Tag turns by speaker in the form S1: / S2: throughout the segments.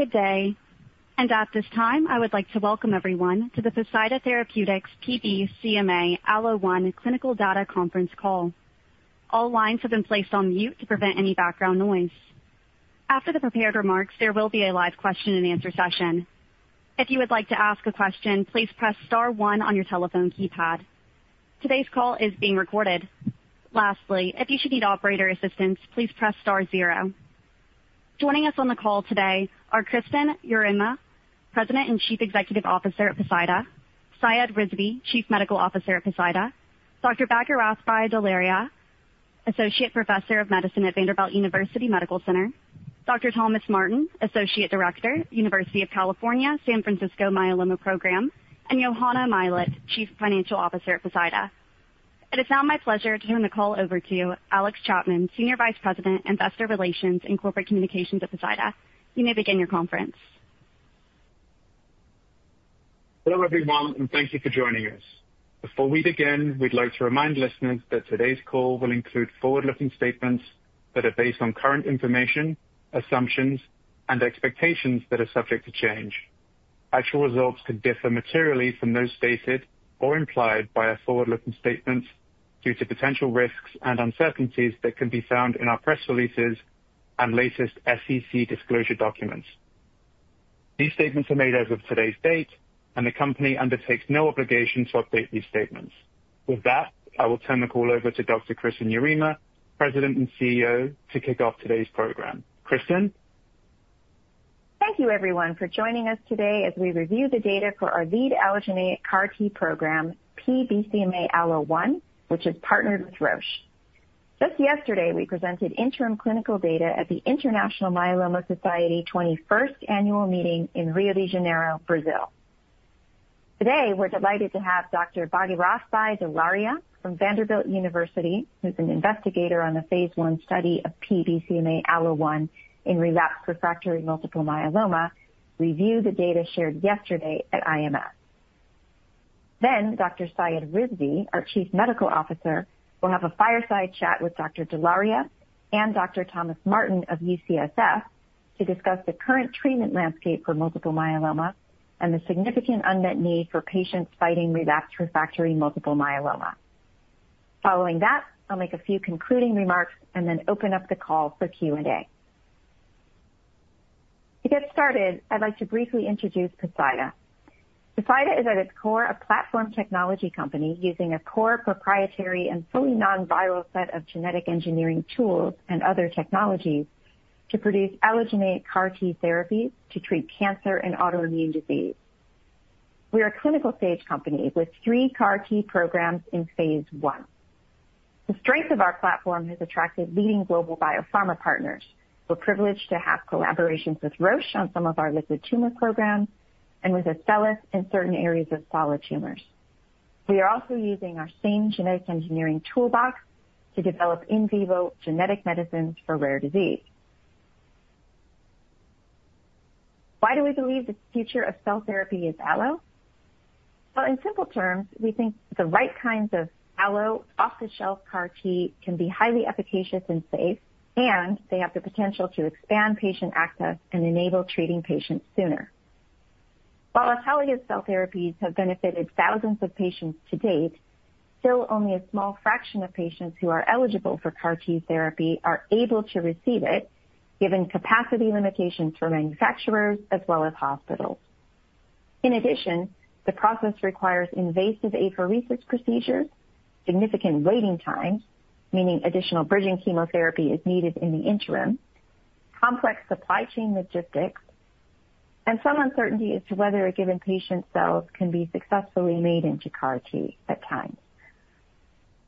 S1: Good day, and at this time, I would like to welcome everyone to the Poseida Therapeutics P-BCMA-ALLO1 Clinical Data Conference Call. All lines have been placed on mute to prevent any background noise. After the prepared remarks, there will be a live question-and-answer session. If you would like to ask a question, please press star one on your telephone keypad. Today's call is being recorded. Lastly, if you should need operator assistance, please press star zero. Joining us on the call today are Kristin Yarema, President and Chief Executive Officer at Poseida, Syed Rizvi, Chief Medical Officer at Poseida, Dr. Bhagirathbhai Dholaria, Associate Professor of Medicine at Vanderbilt University Medical Center, Dr. Thomas Martin, Associate Director, University of California, San Francisco Myeloma Program, and Johanna Mylet, Chief Financial Officer at Poseida. It is now my pleasure to turn the call over to Alex Chapman, Senior Vice President, Investor Relations and Corporate Communications at Poseida. You may begin your conference.
S2: Hello, everyone, and thank you for joining us. Before we begin, we'd like to remind listeners that today's call will include forward-looking statements that are based on current information, assumptions, and expectations that are subject to change. Actual results could differ materially from those stated or implied by our forward-looking statements due to potential risks and uncertainties that can be found in our press releases and latest SEC disclosure documents. These statements are made as of today's date, and the company undertakes no obligation to update these statements. With that, I will turn the call over to Dr. Kristin Yarema, President and CEO, to kick off today's program. Kristin?
S3: Thank you, everyone, for joining us today as we review the data for our lead allogeneic CAR-T program, P-BCMA-ALLO1, which is partnered with Roche. Just yesterday, we presented interim clinical data at the International Myeloma Society 21st Annual Meeting in Rio de Janeiro, Brazil. Today, we're delighted to have Dr. Bhagirathbhai Dholaria from Vanderbilt University, who's an investigator on the phase I study of P-BCMA-ALLO1 in relapsed refractory multiple myeloma, review the data shared yesterday at IMS. Then, Dr. Syed Rizvi, our Chief Medical Officer, will have a fireside chat with Dr. Dholaria and Dr. Thomas Martin of UCSF to discuss the current treatment landscape for multiple myeloma and the significant unmet need for patients fighting relapsed refractory multiple myeloma. Following that, I'll make a few concluding remarks and then open up the call for Q&A. To get started, I'd like to briefly introduce Poseida. Poseida is, at its core, a platform technology company using a core proprietary and fully non-viral set of genetic engineering tools and other technologies to produce allogeneic CAR-T therapies to treat cancer and autoimmune disease. We are a clinical-stage company with three CAR-T programs in phase I. The strength of our platform has attracted leading global biopharma partners. We're privileged to have collaborations with Roche on some of our liquid tumor programs and with Astellas in certain areas of solid tumors. We are also using our same genetic engineering toolbox to develop in vivo genetic medicines for rare disease. Why do we believe the future of cell therapy is Allo? Well, in simple terms, we think the right kinds of Allo off-the-shelf CAR-T can be highly efficacious and safe, and they have the potential to expand patient access and enable treating patients sooner. While autologous cell therapies have benefited thousands of patients to date, still, only a small fraction of patients who are eligible for CAR-T therapy are able to receive it, given capacity limitations for manufacturers as well as hospitals. In addition, the process requires invasive apheresis procedures, significant waiting times, meaning additional bridging chemotherapy is needed in the interim, complex supply chain logistics, and some uncertainty as to whether a given patient's cells can be successfully made into CAR-T at times.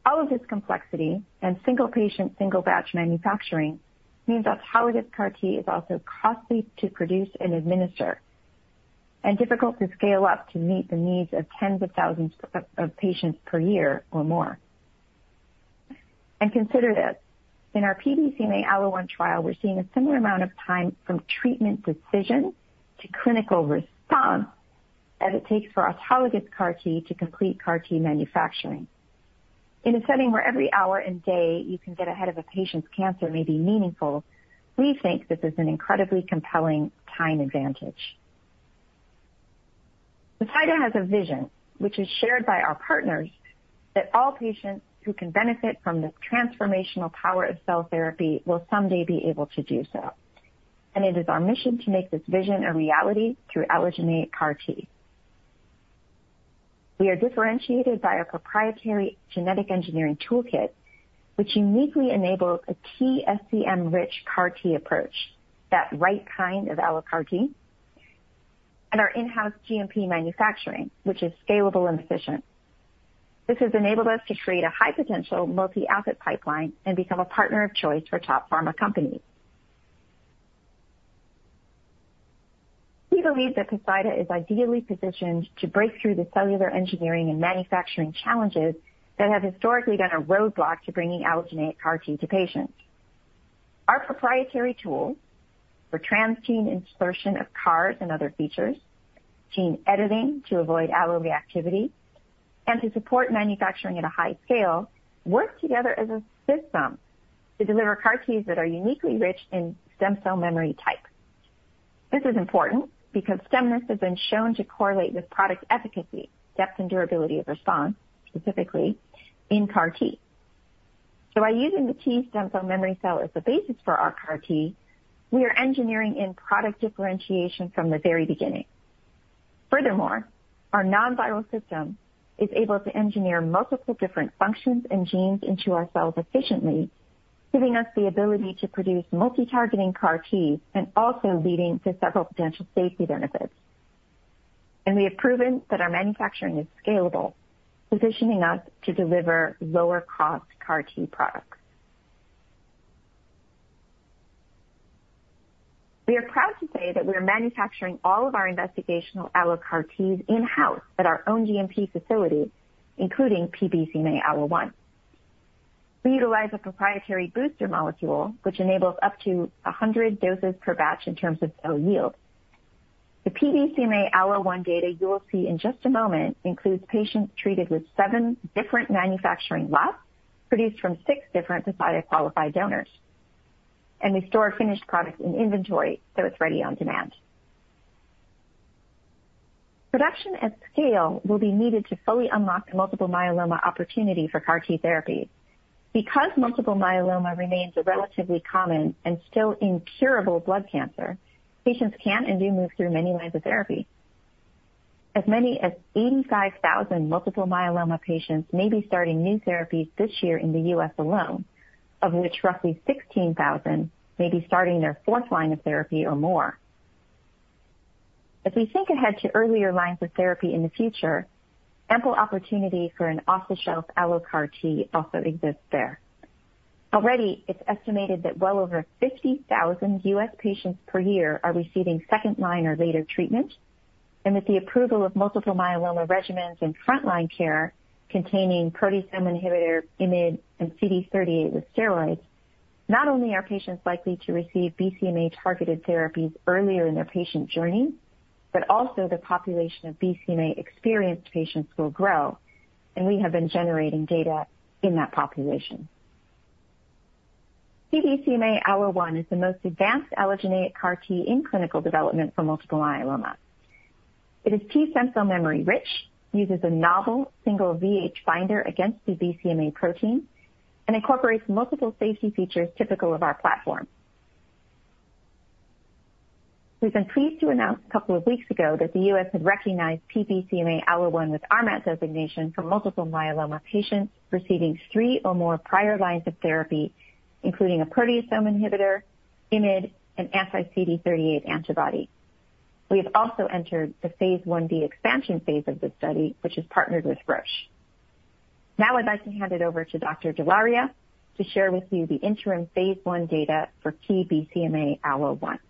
S3: All of this complexity and single patient, single batch manufacturing means autologous CAR-T is also costly to produce and administer, and difficult to scale up to meet the needs of tens of thousands of patients per year or more. And consider this. In our P-BCMA-ALLO1 trial, we're seeing a similar amount of time from treatment decision to clinical response as it takes for autologous CAR-T to complete CAR-T manufacturing. In a setting where every hour and day you can get ahead of a patient's cancer may be meaningful, we think this is an incredibly compelling time advantage. Poseida has a vision, which is shared by our partners, that all patients who can benefit from the transformational power of cell therapy will someday be able to do so. And It is our mission to make this vision a reality through allogeneic CAR-T. We are differentiated by our proprietary genetic engineering toolkit, which uniquely enables a TSCM-rich CAR-T approach, that right kind of Allo CAR-T, and our in-house GMP manufacturing, which is scalable and efficient. This has enabled us to create a high-potential, multi-asset pipeline and become a partner of choice for top pharma companies. We believe that Poseida is ideally positioned to break through the cellular engineering and manufacturing challenges that have historically been a roadblock to bringing allogeneic CAR-T to patients. Our proprietary tools for transgene insertion of CARs and other features, gene editing to avoid alloreactivity, and to support manufacturing at a high scale, work together as a system to deliver CAR-Ts that are uniquely rich in stem cell memory type. This is important because stemness has been shown to correlate with product efficacy, depth, and durability of response, specifically in CAR-T. So by using the T stem cell memory cell as the basis for our CAR-T, we are engineering in product differentiation from the very beginning. Furthermore, our non-viral system is able to engineer multiple different functions and genes into our cells efficiently, giving us the ability to produce multi-targeting CAR-T and also leading to several potential safety benefits. And we have proven that our manufacturing is scalable, positioning us to deliver lower-cost CAR-T products. We are proud to say that we are manufacturing all of our investigational Allo CAR-Ts in-house at our own GMP facility, including P-BCMA-ALLO1. We utilize a proprietary booster molecule, which enables up to 100 doses per batch in terms of cell yield. The P-BCMA-ALLO1 data you will see in just a moment includes patients treated with seven different manufacturing lots, produced from six different supplier-qualified donors. And we store finished products in inventory, so it's ready on demand. Production at scale will be needed to fully unlock the multiple myeloma opportunity for CAR-T therapy. Because multiple myeloma remains a relatively common and still incurable blood cancer, patients can and do move through many lines of therapy. As many as 85 thousand multiple myeloma patients may be starting new therapies this year in the U.S. alone, of which roughly 16,000 may be starting their fourth line of therapy or more. As we think ahead to earlier lines of therapy in the future, ample opportunity for an off-the-shelf Allo CAR T also exists there. Already, it's estimated that well over 50,000 U.S. patients per year are receiving second-line or later treatment, and with the approval of multiple myeloma regimens in frontline care containing proteasome inhibitor, IMiD, and CD38 with steroids, not only are patients likely to receive BCMA-targeted therapies earlier in their patient journey, but also the population of BCMA-experienced patients will grow, and we have been generating data in that population. P-BCMA-ALLO1 is the most advanced allogeneic CAR T in clinical development for multiple myeloma. It is T stem cell memory rich, uses a novel single VH binder against the BCMA protein, and incorporates multiple safety features typical of our platform. We've been pleased to announce a couple of weeks ago that the U.S. had recognized P-BCMA-ALLO1 with RMAT designation for multiple myeloma patients receiving three or more prior lines of therapy, including a proteasome inhibitor, IMiD, and anti-CD38 antibody. We have also entered the phase I-B expansion phase of this study, which is partnered with Roche. Now, I'd like to hand it over to Dr. Dholaria to share with you the interim phase one data for P-BCMA-ALLO1.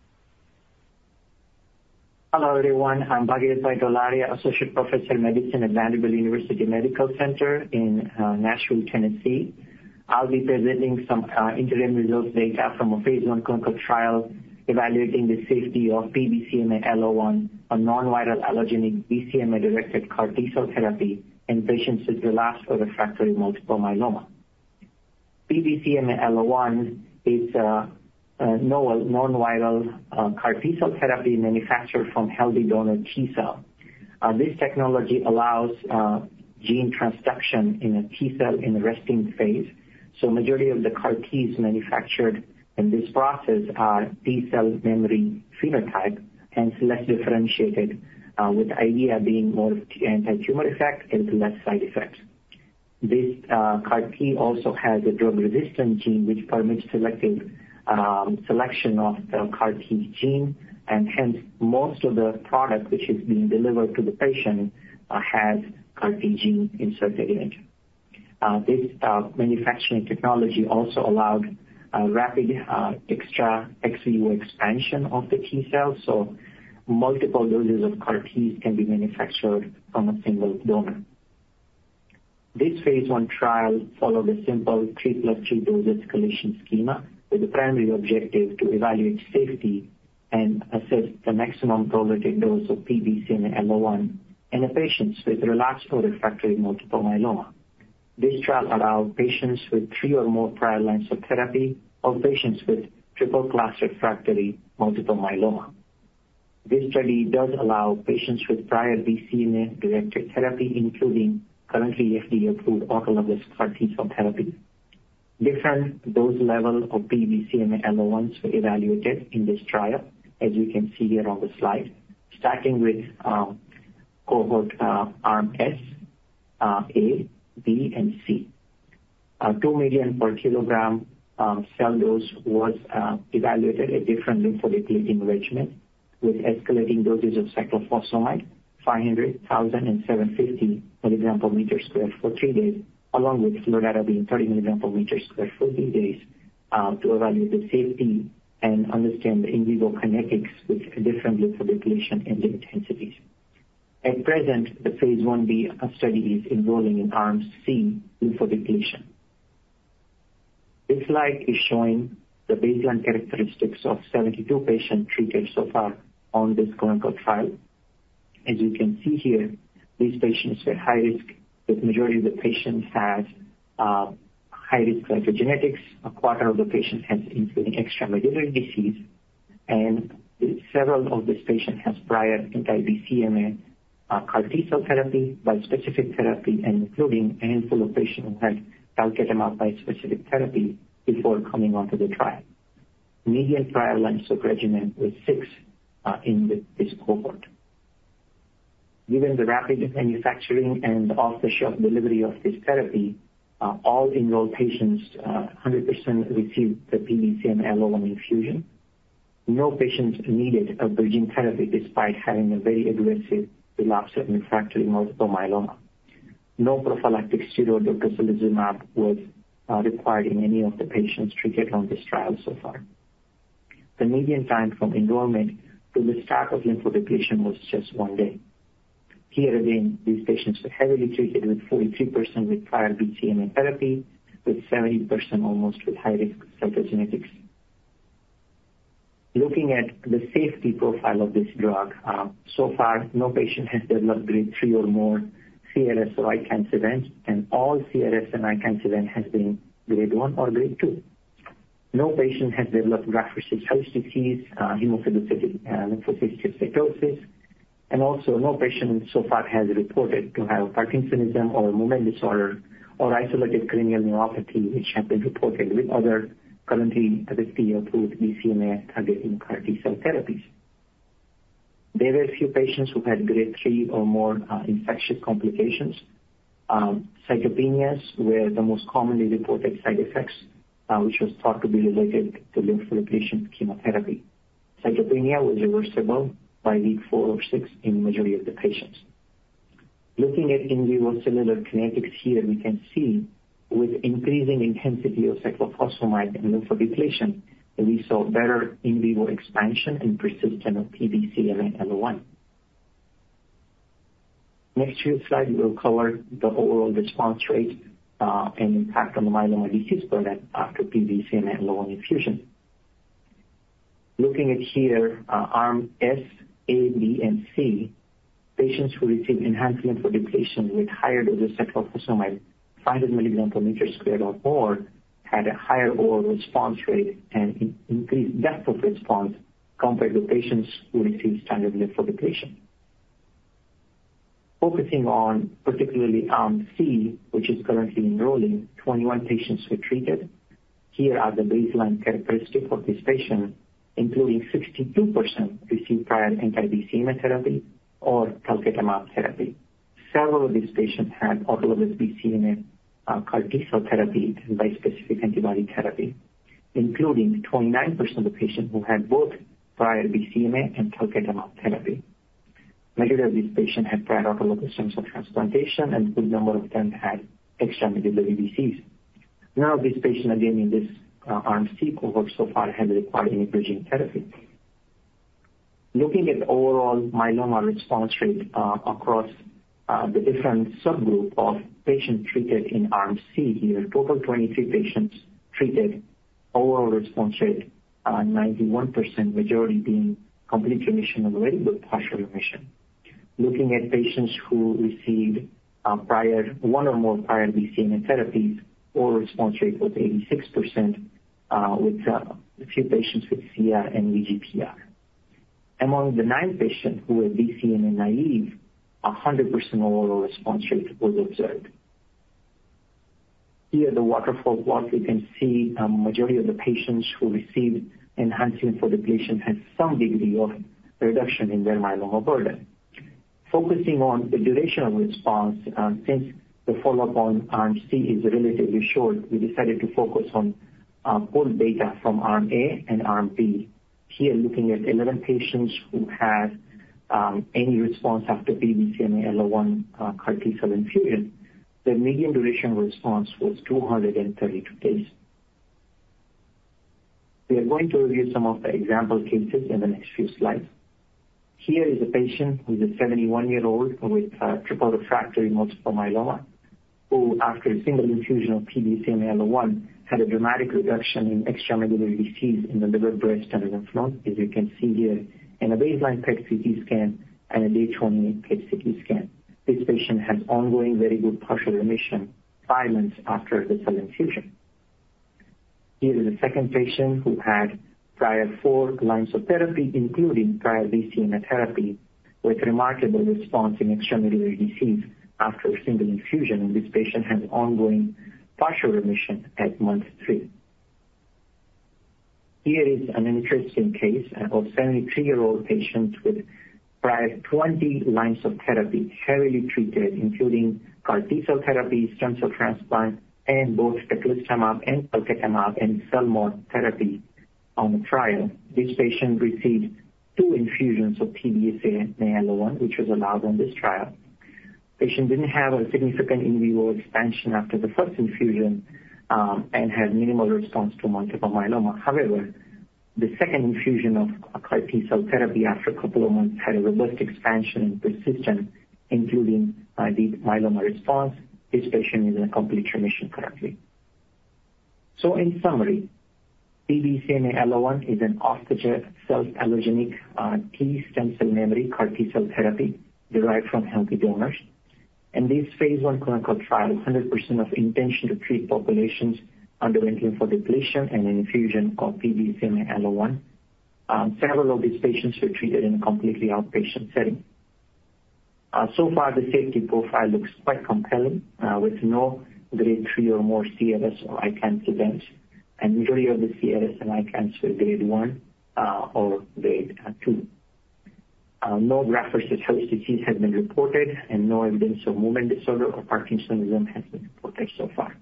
S4: Hello, everyone. I'm Bhagirathbhai Dholaria, Associate Professor of Medicine at Vanderbilt University Medical Center in Nashville, Tennessee. I'll be presenting some interim results data from a phase I clinical trial evaluating the safety of P-BCMA-ALLO1, a non-viral allogeneic BCMA-directed CAR-T cell therapy in patients with relapse or refractory Multiple Myeloma. P-BCMA-ALLO1 is a novel non-viral CAR-T cell therapy manufactured from healthy donor T-cell. This technology allows gene transduction in a T cell in a resting phase, so majority of the CAR-Ts manufactured in this process are T-cell memory phenotype and less differentiated, with the idea being more anti-tumor effect and less side effects. This CAR-T also has a drug-resistant gene, which permits selection of the CAR-T gene, and hence, most of the product which is being delivered to the patient has CAR-T gene inserted in it. This manufacturing technology also allowed a rapid ex vivo expansion of the T cells, so multiple doses of CAR-Ts can be manufactured from a single donor. This phase I trial followed a simple three plus three dose-escalation schema, with the primary objective to evaluate safety and assess the maximum tolerated dose of P-BCMA-ALLO1 in the patients with relapsed or refractory multiple myeloma. This trial allowed patients with three or more prior lines of therapy or patients with triple class refractory multiple myeloma. This study does allow patients with prior BCMA-directed therapy, including currently FDA-approved autologous CAR-T cell therapy. Different dose level of P-BCMA-ALLO1 were evaluated in this trial, as you can see here on the slide, starting with cohort arms A, B, and C. Two million per kilogram cell dose was evaluated at different lymphodepletion regimen, with escalating doses of cyclophosphamide, 500, 1000, and 750 mg/m² for three days, along with fludarabine, 30 mg/m² for three days, to evaluate the safety and understand the in vivo kinetics with a different lymphodepletion and the intensities. At present, the phase I-B study is enrolling in Arm C lymphodepletion. This slide is showing the baseline characteristics of 72 patients treated so far on this clinical trial. As you can see here, these patients are high risk. The majority of the patients have high-risk cytogenetics. A quarter of the patients has including extramedullary disease, and several of these patients have prior anti-BCMA CAR-T-cell therapy, bispecific therapy, and including handful of patients who had talquetamab bispecific therapy before coming onto the trial. Median prior lines of regimen was six in this cohort. Given the rapid manufacturing and off-the-shelf delivery of this therapy, all enrolled patients 100% received the BCMA-ALLO1 infusion. No patients needed a bridging therapy despite having a very aggressive relapsed or refractory multiple myeloma. No prophylactic steroid tocilizumab was required in any of the patients treated on this trial so far. The median time from enrollment to the start of lymphodepletion was just one day. Here again, these patients were heavily treated, with 43% with prior BCMA therapy, with almost 70% with high-risk cytogenetics. Looking at the safety profile of this drug, so far, no patient has developed grade three or more CRS or ICANS events, and all CRS and ICANS events have been grade one or grade two. No patient has developed graft-versus-host disease, hemophagocytic lymphohistiocytosis, and also no patient so far has reported to have parkinsonism or movement disorder or isolated cranial neuropathy, which have been reported with other currently FDA-approved BCMA targeting CAR T-cell therapies. There were a few patients who had grade 3 or more infectious complications. Cytopenias were the most commonly reported side effects, which was thought to be related to lymphodepletion chemotherapy. Cytopenia was reversible by week four or six in majority of the patients. Looking at in vivo similar kinetics here, we can see with increasing intensity of cyclophosphamide and lymphodepletion, we saw better in vivo expansion and persistence of BCMA-ALLO1. Next few slides will cover the overall response rate, and impact on the myeloma disease burden after BCMA-ALLO1 infusion. Looking at here, arms S, A, B, and C, patients who received enhanced lymphodepletion with higher dose of cyclophosphamide, 500 milligrams per square meter or more, had a higher overall response rate and increased depth of response compared to patients who received standard lymphodepletion. Focusing particularly on Arm C, which is currently enrolling, 21 patients were treated. Here are the baseline characteristics of these patients, including 62% received prior anti-BCMA therapy or talquetamab therapy. Several of these patients had autologous BCMA CAR T-cell therapy and bispecific antibody therapy, including 29% of the patients who had both prior BCMA and talquetamab therapy. Majority of these patients had prior autologous stem cell transplantation, and a good number of them had extramedullary disease. None of these patients, again, in this Arm C cohort so far, have required any bridging therapy. Looking at the overall myeloma response rate across the different subgroup of patients treated in Arm C, here a total of 23 patients treated, overall response rate 91%, majority being complete remission or very good partial remission. Looking at patients who received prior one or more prior BCMA therapies, overall response rate was 86%, with a few patients with CR and VGPR. Among the nine patients who were BCMA naive, a 100% overall response rate was observed. Here, the waterfall plot, you can see a majority of the patients who received FL/Cy for depletion had some degree of reduction in their myeloma burden. Focusing on the duration of response, since the follow-up on Arm C is relatively short, we decided to focus on pooled data from Arm A and Arm B. Here, looking at 11 patients who had any response after BCMA-ALLO1 CAR T-cell infusion, the median duration response was 232 days. We are going to review some of the example cases in the next few slides. Here is a patient who is a 71 year old with triple-refractory multiple myeloma, who, after a single infusion of P-BCMA-ALLO1, had a dramatic reduction in extramedullary disease in the liver, breast, and lymph nodes, as you can see here in a baseline PET-CT scan and a day twenty PET-CT scan. This patient has ongoing very good partial remission five months after the cell infusion. Here is a second patient who had prior four lines of therapy, including prior BCMA therapy, with remarkable response in extramedullary disease after a single infusion, and this patient has ongoing partial remission at month three. Here is an interesting case of a seventy-three-year-old patient with prior 20 lines of therapy, heavily treated, including CAR-T-cell therapy, stem cell transplant, and both teclistamab and talquetamab and CELMoD therapy on the trial. This patient received two infusions of P-BCMA-ALLO1, which was allowed on this trial. Patient didn't have a significant in vivo expansion after the first infusion, and had minimal response to multiple myeloma. However, the second infusion of CAR T-cell therapy after a couple of months had a robust expansion and persistence, including deep myeloma response. This patient is in complete remission currently, so in summary, P-BCMA-ALLO1 is an autologous cell allogeneic T-stem cell memory CAR T-cell therapy derived from healthy donors. And this phase I clinical trial, 100% of intention-to-treat populations underwent lymphodepletion and an infusion called P-BCMA-ALLO1. Several of these patients were treated in a completely outpatient setting. So far, the safety profile looks quite compelling, with no grade three or more CRS or ICANS events, and majority of the CRS and ICANS were grade one or grade two. No graft-versus-host disease has been reported, and no evidence of movement disorder or Parkinsonism has been reported so far.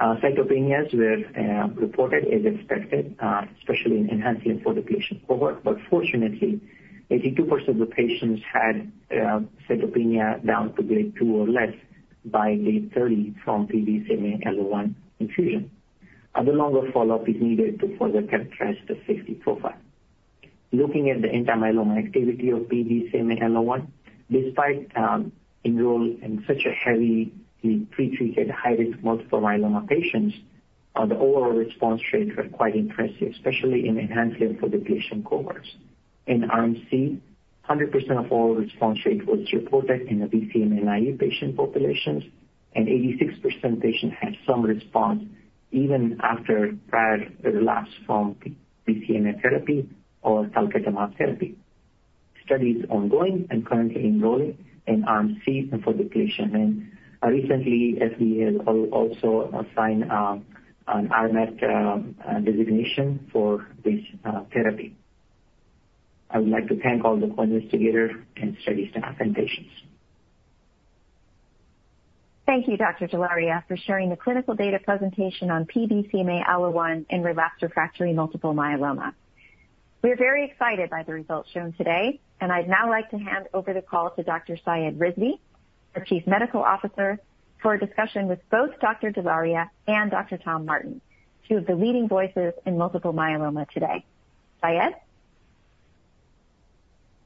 S4: Cytopenias were reported as expected, especially in enhanced lymphodepletion cohort. But fortunately, 82% of the patients had cytopenia down to grade two or less by day 30 from P-BCMA-ALLO1 infusion. A longer follow-up is needed to further characterize the safety profile. Looking at the antimyeloma activity of P-BCMA-ALLO1, despite enrolled in such a heavily pretreated, high-risk multiple myeloma patients, the overall response rates were quite impressive, especially in enhanced lymphodepletion cohorts. In Arm C, 100% of all response rate was reported in the BCMA-naïve patient populations, and 86% patients had some response even after prior relapse from BCMA therapy or talquetamab therapy. Study is ongoing and currently enrolling in Arm C and flu depletion. Recently, FDA has also assigned an RMAT designation for this therapy. I would like to thank all the co-investigators and study staff and patients.
S3: Thank you, Dr. Dholaria, for sharing the clinical data presentation on P-BCMA-ALLO1 in relapsed refractory multiple myeloma. We are very excited by the results shown today, and I'd now like to hand over the call to Dr. Syed Rizvi, our Chief Medical Officer, for a discussion with both Dr. Dholaria and Dr. Tom Martin, two of the leading voices in multiple myeloma today. Syed?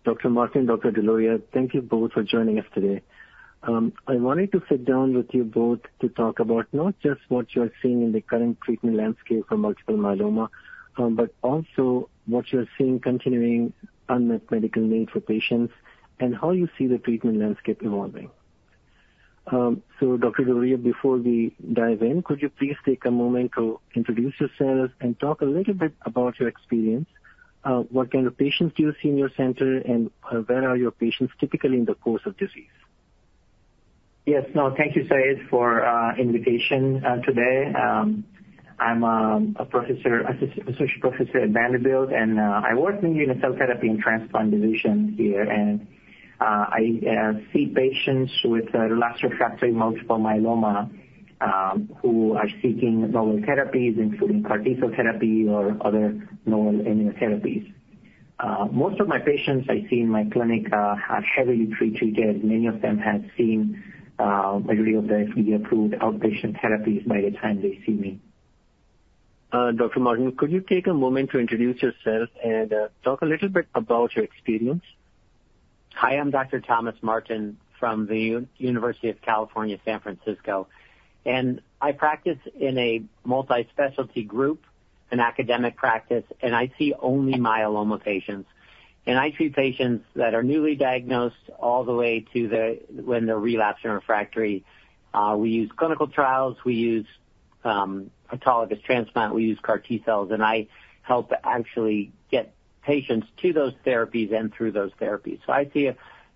S5: Dr. Martin, Dr. Dholaria, thank you both for joining us today. I wanted to sit down with you both to talk about not just what you are seeing in the current treatment landscape for multiple myeloma, but also what you are seeing continuing unmet medical needs for patients and how you see the treatment landscape evolving. So Dr. Dholaria, before we dive in, could you please take a moment to introduce yourself and talk a little bit about your experience? What kind of patients do you see in your center, and where are your patients typically in the course of disease?
S4: Yes. No, thank you, Syed, for invitation today. I'm a professor, Associate Professor at Vanderbilt, and I work in the Cell Therapy and Transplant division here. And I see patients with relapse refractory multiple myeloma, who are seeking novel therapies, including CAR T-cell therapy or other novel immunotherapies. Most of my patients I see in my clinic are heavily pretreated. Many of them have seen majority of the FDA-approved outpatient therapies by the time they see me.
S5: Dr. Martin, could you take a moment to introduce yourself and, talk a little bit about your experience?
S6: Hi, I'm Dr. Thomas Martin from the University of California, San Francisco, and I practice in a multi-specialty group, an academic practice, and I see only myeloma patients, and I treat patients that are newly diagnosed all the way to the, when they're relapsed and refractory. We use clinical trials, we use autologous transplant, we use CAR T-cells, and I help actually get patients to those therapies and through those therapies, so I see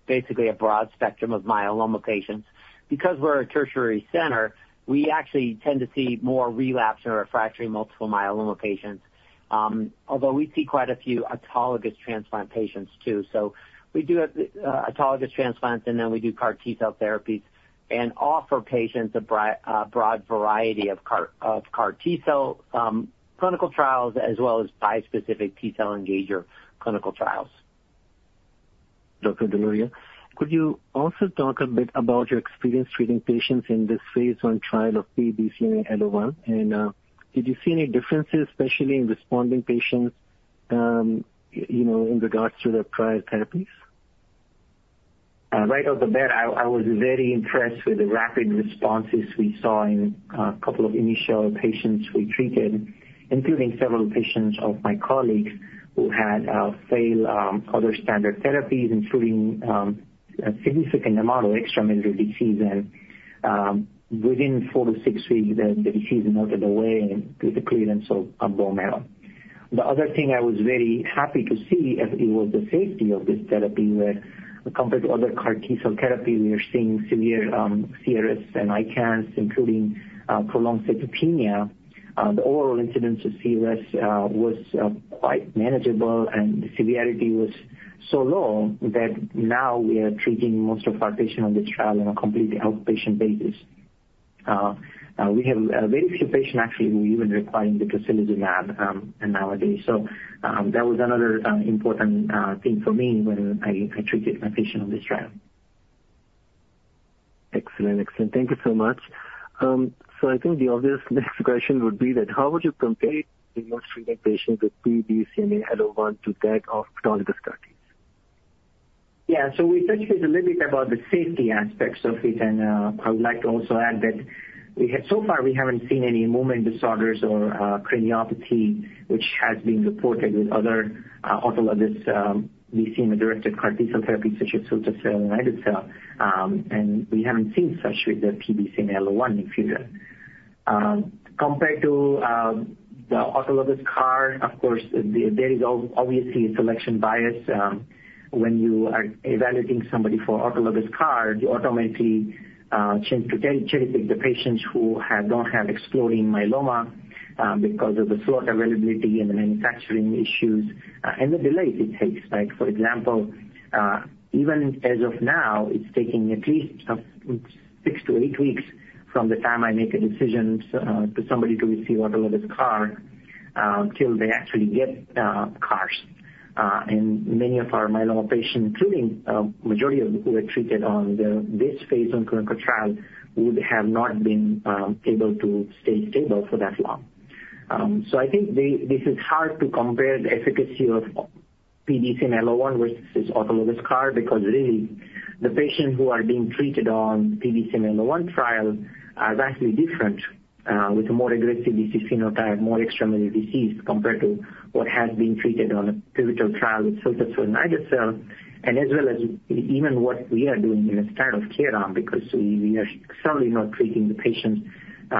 S6: basically a broad spectrum of myeloma patients. Because we're a tertiary center, we actually tend to see more relapse and refractory multiple myeloma patients, although we see quite a few autologous transplant patients too, so we do have autologous transplants, and then we do CAR T-cell therapies and offer patients a broad variety of CAR T-cell clinical trials, as well as bispecific T-cell engager clinical trials.
S5: Dr. Dholaria, could you also talk a bit about your experience treating patients in this phase I trial of P-BCMA-ALLO1, and, did you see any differences, especially in responding patients, you know, in regards to the prior therapies?
S4: Right off the bat, I was very impressed with the rapid responses we saw in a couple of initial patients we treated, including several patients of my colleagues who had failed other standard therapies, including significant amount of extramedullary disease. Within four to six weeks, the disease melted away with the clearance of bone marrow. The other thing I was very happy to see as it was the safety of this therapy, where compared to other CAR T-cell therapy, we are seeing severe CRS and ICANS, including prolonged cytopenia. The overall incidence of CRS was quite manageable, and the severity was so low that now we are treating most of our patients on this trial on a completely outpatient basis. We have very few patients actually who even requiring the facility lab nowadays. So that was another important thing for me when I treated my patients on this trial....
S5: Excellent. Excellent. Thank you so much. So I think the obvious next question would be that how would you compare immunotherapy patients with P-BCMA-ALLO1 to that of earlier studies?
S4: Yeah, so we talked a little bit about the safety aspects of it, and I would like to also add that so far, we haven't seen any movement disorders or craniopathy, which has been reported with other autologous BCMA-directed CAR-T cell therapy, such as cilta-cel and ide-cel. And we haven't seen such with the BCMA-ALLO1 infusion. Compared to the autologous CAR, of course, there is obviously a selection bias. When you are evaluating somebody for autologous CAR, you automatically tend to cherry-pick the patients who don't have exploding myeloma, because of the slot availability and the manufacturing issues, and the delay it takes. Like, for example, even as of now, it's taking at least six to eight weeks from the time I make a decision to somebody to receive autologous CAR till they actually get CARs, and many of our myeloma patients, including majority of who were treated on this Phase I clinical trial, would have not been able to stay stable for that long, so I think this is hard to compare the efficacy of BCMA-ALLO1 with this autologous CAR, because really, the patients who are being treated on BCMA-ALLO1 trial are vastly different, with a more aggressive BCMA phenotype, more extramedullary disease, compared to what has been treated on a pivotal trial with cilta-cel and ide-cel. And as well as even what we are doing in the standard of care arm, because we are certainly not treating the patients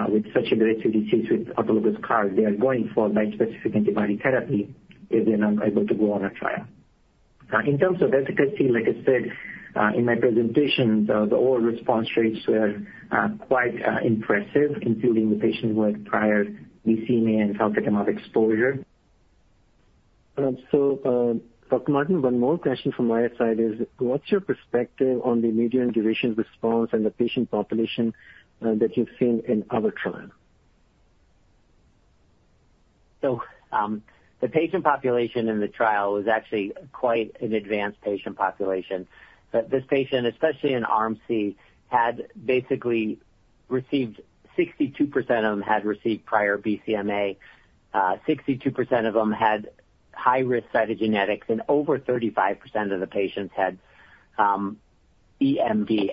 S4: with such a direct disease with autologous CAR. They are going for bispecific antibody therapy if they're not able to go on a trial. In terms of efficacy, like I said, in my presentation, the overall response rates were quite impressive, including the patients with prior BCMA and talquetamab exposure.
S5: So, Dr. Martin, one more question from my side is: What's your perspective on the median duration response and the patient population that you've seen in other trials?
S6: Look, the patient population in the trial was actually quite an advanced patient population. This patient, especially in Arm C, had basically received. 62% of them had received prior BCMA. 62% of them had high-risk cytogenetics, and over 35% of the patients had EMD,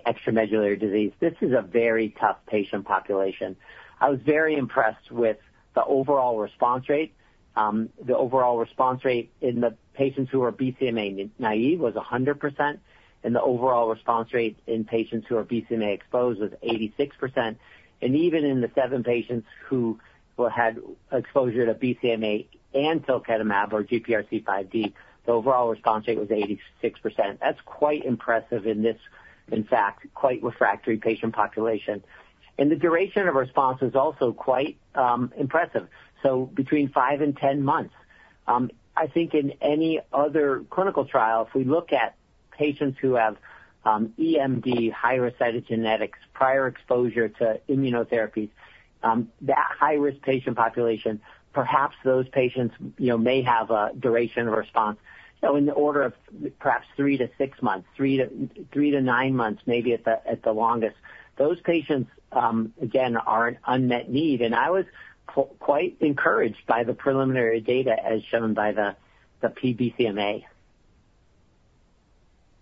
S6: extramedullary disease. This is a very tough patient population. I was very impressed with the overall response rate. The overall response rate in the patients who are BCMA naive was 100%, and the overall response rate in patients who are BCMA exposed was 86%. Even in the seven patients who had exposure to BCMA and talquetamab or GPRC5D, the overall response rate was 86%. That's quite impressive in this, in fact, quite refractory patient population. The duration of response is also quite impressive, so between five and 10 months. I think in any other clinical trial, if we look at patients who have EMD, high-risk cytogenetics, prior exposure to immunotherapies, that high-risk patient population, perhaps those patients, you know, may have a duration of response, so in the order of perhaps three to six months, three to nine months, maybe at the longest. Those patients, again, are an unmet need, and I was quite encouraged by the preliminary data as shown by the the BCMA.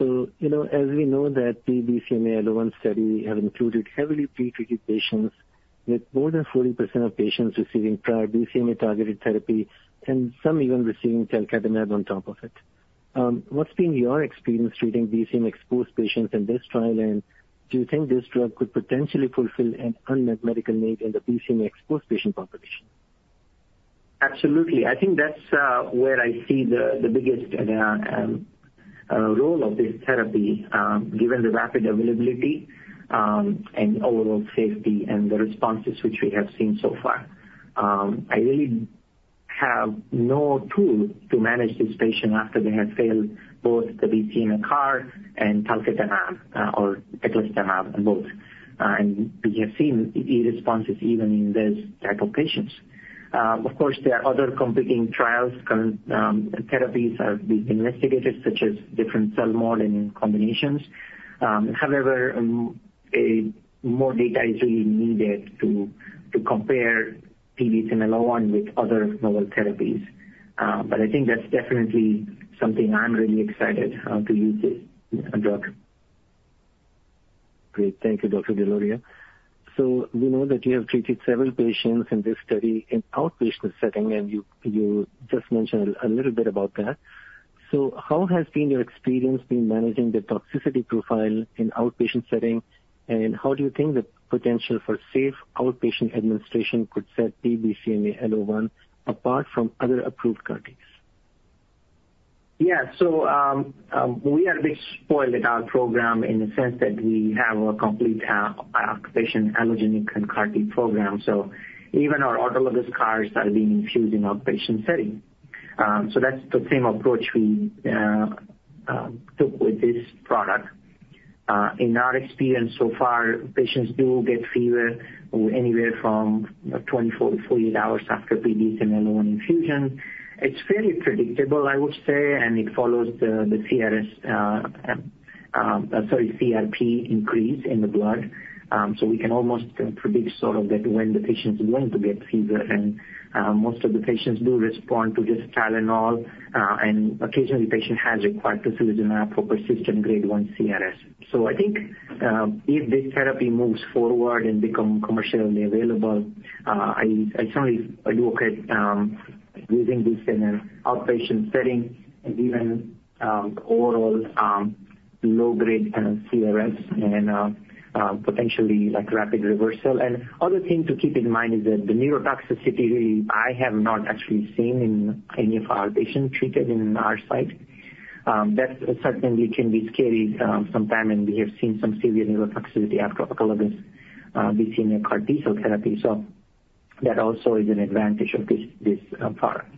S5: So, you know, as we know that the BCMA-ALLO1 study have included heavily pretreated patients, with more than 40% of patients receiving prior BCMA-targeted therapy and some even receiving talquetamab on top of it. What's been your experience treating BCMA-exposed patients in this trial, and do you think this drug could potentially fulfill an unmet medical need in the BCMA-exposed patient population?
S4: Absolutely. I think that's where I see the biggest role of this therapy, given the rapid availability, and overall safety and the responses which we have seen so far. I really have no tool to manage this patient after they have failed both the BCMA CAR and talquetamab, or teclistamab both, and we have seen the responses even in this type of patients. Of course, there are other competing trials. Current therapies are being investigated, such as different CELMoD model and combinations. However, a more data is really needed to compare BCMA-ALLO1 with other novel therapies, but I think that's definitely something I'm really excited to use this drug.
S5: Great. Thank you, Dr. Dholaria. So we know that you have treated several patients in this study in outpatient setting, and you just mentioned a little bit about that. So how has your experience been managing the toxicity profile in outpatient setting, and how do you think the potential for safe outpatient administration could set BCMA-ALLO1 apart from other approved CAR-Ts?
S4: Yeah. So, we are a bit spoiled with our program in the sense that we have a complete outpatient allogeneic and CAR T program. So even our autologous CAR Ts are being infused in outpatient setting. So that's the same approach you know we took with this product. In our experience so far, patients do get fever anywhere from 24-48 hours after P-BCMA-ALLO1 infusion. It's fairly predictable, I would say, and it follows the CRS pattern. Sorry, CRP increase in the blood. So we can almost predict sort of that when the patient's going to get fever, and most of the patients do respond to just Tylenol, and occasionally a patient has required tocilizumab for grade one CRS. So I think if this therapy moves forward and become commercially available, I certainly advocate using this in an outpatient setting and even oral low-grade kind of CRS and potentially like rapid reversal. And another thing to keep in mind is that the neurotoxicity, I have not actually seen in any of our patients treated in our site. That's certainly can be scary sometimes, and we have seen some severe neurotoxicity after autologous BCMA CAR-T cell therapy. So that also is an advantage of this product.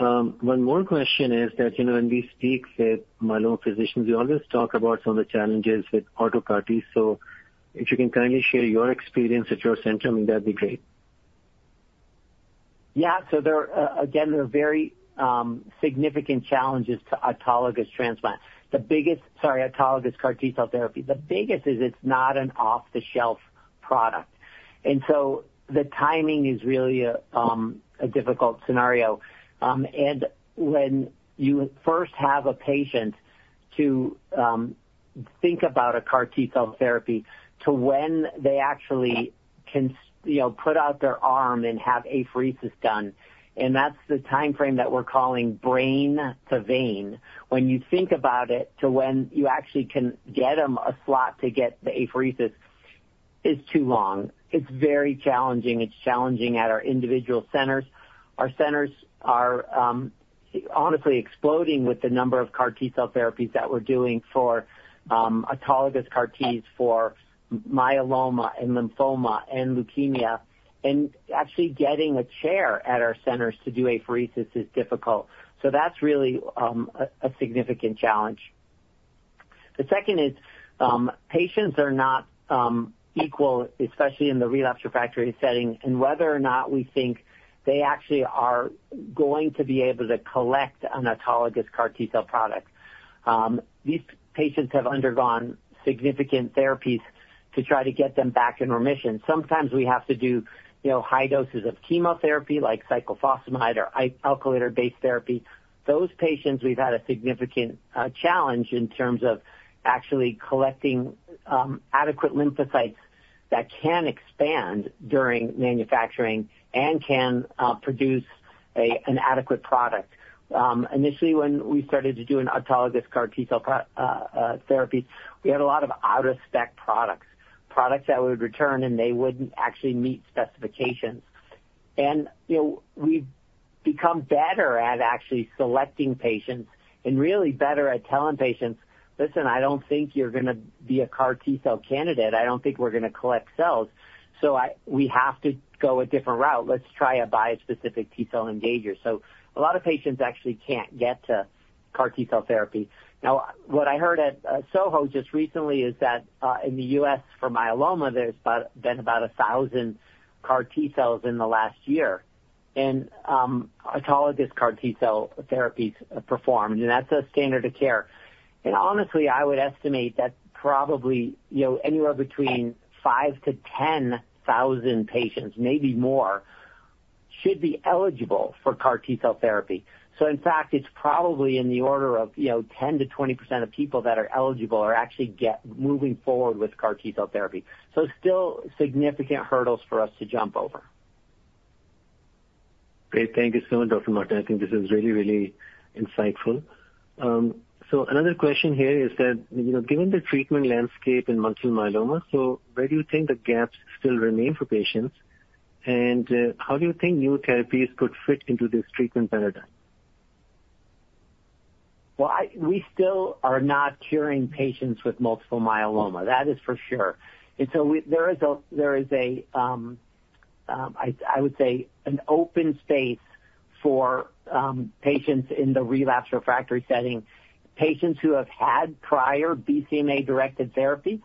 S5: One more question is that, you know, when we speak with myeloma physicians, we always talk about some of the challenges with autologous CAR-T. So if you can kindly share your experience at your center, I mean, that'd be great.
S6: Yeah. So there are, again, very significant challenges to autologous transplant. The biggest... Sorry, autologous CAR-T cell therapy. The biggest is it's not an off-the-shelf product, and so the timing is really, a difficult scenario. And when you first have a patient to, think about a CAR-T cell therapy to when they actually can, you know, put out their arm and have apheresis done, and that's the timeframe that we're calling brain to vein. When you think about it, to when you actually can get them a slot to get the apheresis is too long. It's very challenging. It's challenging at our individual centers. Our centers are, honestly exploding with the number of CAR-T cell therapies that we're doing for, autologous CAR-Ts, for myeloma and lymphoma and leukemia, and actually getting a chair at our centers to do apheresis is difficult. So that's really a significant challenge. The second is, patients are not equal, especially in the relapsed refractory setting, and whether or not we think they actually are going to be able to collect an autologous CAR-T cell product. These patients have undergone significant therapies to try to get them back in remission. Sometimes we have to do, you know, high doses of chemotherapy, like cyclophosphamide or alkylator-based therapy. Those patients, we've had a significant challenge in terms of actually collecting adequate lymphocytes that can expand during manufacturing and can produce an adequate product. Initially, when we started to do an autologous CAR-T cell therapy, we had a lot of out-of-spec products, products that would return, and they wouldn't actually meet specifications. And you know, we've become better at actually selecting patients and really better at telling patients, "Listen, I don't think you're gonna be a CAR-T cell candidate. I don't think we're gonna collect cells, so we have to go a different route. Let's try a bispecific T-cell engager." So a lot of patients actually can't get to CAR-T cell therapy. Now, what I heard at SOHO just recently is that in the U.S. for myeloma, there's been about a thousand CAR-T cells in the last year, and autologous CAR-T cell therapies performed, and that's a standard of care. And honestly, I would estimate that probably, you know, anywhere between 5000-10000 patients, maybe more, should be eligible for CAR-T cell therapy. So in fact, it's probably in the order of, you know, 10%-20% of people that are eligible or actually get moving forward with CAR-T cell therapy. So still significant hurdles for us to jump over.
S5: Great. Thank you so much, Dr. Martin. I think this is really, really insightful. So another question here is that, you know, given the treatment landscape in multiple myeloma, so where do you think the gaps still remain for patients? And, how do you think new therapies could fit into this treatment paradigm?
S6: We still are not curing patients with multiple myeloma. That is for sure. And so we, there is an I would say an open space for patients in the relapsed refractory setting. Patients who have had prior BCMA-directed therapy,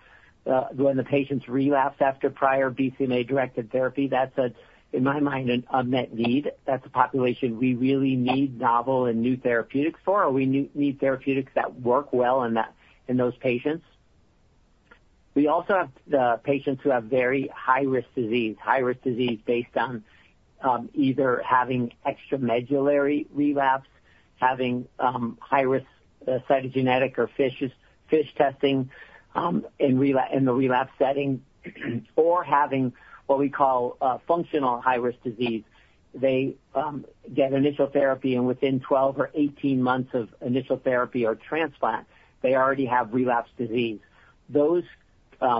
S6: when the patients relapse after prior BCMA-directed therapy, that's a, in my mind, an unmet need. That's a population we really need novel and new therapeutics for, or we need therapeutics that work well in that, in those patients. We also have the patients who have very high-risk disease, high-risk disease based on either having extramedullary relapse, having high risk, cytogenetic or FISH testing, in the relapse setting, or having what we call a functional high-risk disease. They get initial therapy, and within 12 or 18 months of initial therapy or transplant, they already have relapsed disease. Those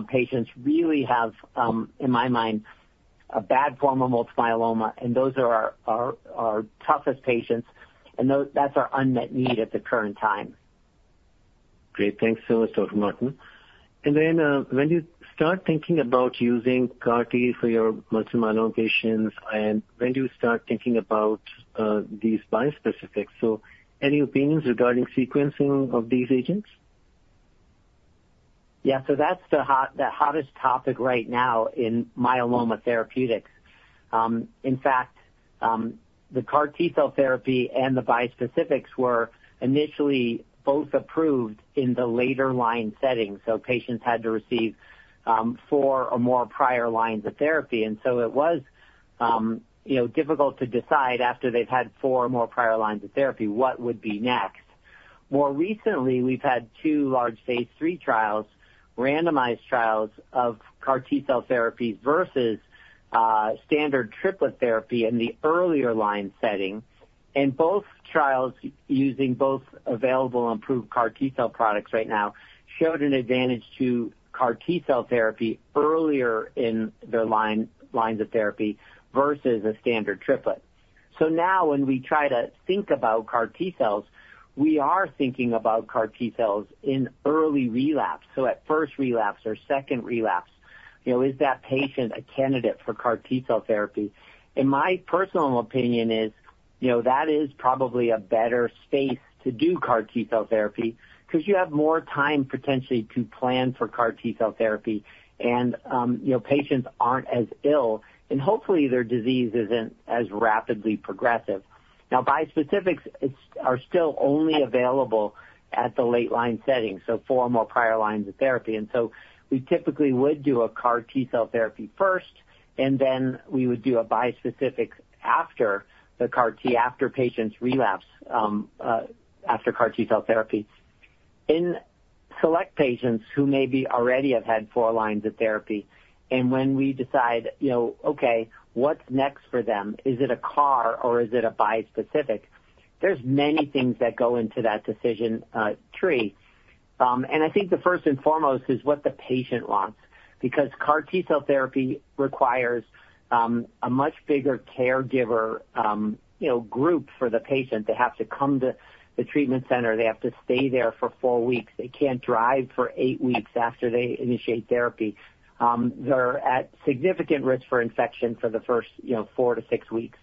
S6: patients really have, in my mind, a bad form of multiple myeloma, and those are are are our toughest patients, and that's our unmet need at the current time.
S5: Great. Thanks so much, Dr. Martin. And then, when do you start thinking about using CAR-T for your multiple myeloma patients, and when do you start thinking about, these bispecifics? So any opinions regarding sequencing of these agents?
S6: Yeah, so that's the hot, the hottest topic right now in myeloma therapeutics. In fact, the CAR-T cell therapy and the bispecifics were initially both approved in the later line setting, so patients had to receive four or more prior lines of therapy. And so it was, you know, difficult to decide after they've had four or more prior lines of therapy, what would be next. More recently, we've had two large phase III trials, randomized trials, of CAR-T cell therapy versus standard triplet therapy in the earlier line setting. And both trials, using both available and approved CAR-T cell products right now, showed an advantage to CAR-T cell therapy earlier in their line, lines of therapy versus a standard triplet. So now when we try to think about CAR T-cells, we are thinking about CAR-T cells in early relapse. So at first relapse or second relapse, you know, is that patient a candidate for CAR T-cell therapy? And my personal opinion is, you know, that is probably a better space to do CAR-T cell therapy because you have more time potentially to plan for CAR-T cell therapy, and, you know, patients aren't as ill, and hopefully their disease isn't as rapidly progressive. Now, bispecifics are still only available at the late line setting, so four or more prior lines of therapy. And so we typically would do a CAR-T cell therapy first, and then we would do a bispecific after the CAR-T, after patients relapse, after CAR-T cell therapy. In select patients who maybe already have had four lines of therapy, and when we decide, you know, okay, what's next for them? Is it a CAR or is it a bispecific? There's many things that go into that decision tree, and I think the first and foremost is what the patient wants, because CAR T-cell therapy requires a much bigger caregiver, you know, group for the patient. They have to come to the treatment center. They have to stay there for four weeks. They can't drive for eight weeks after they initiate therapy. They're at significant risk for infection for the first, you know, four to six weeks.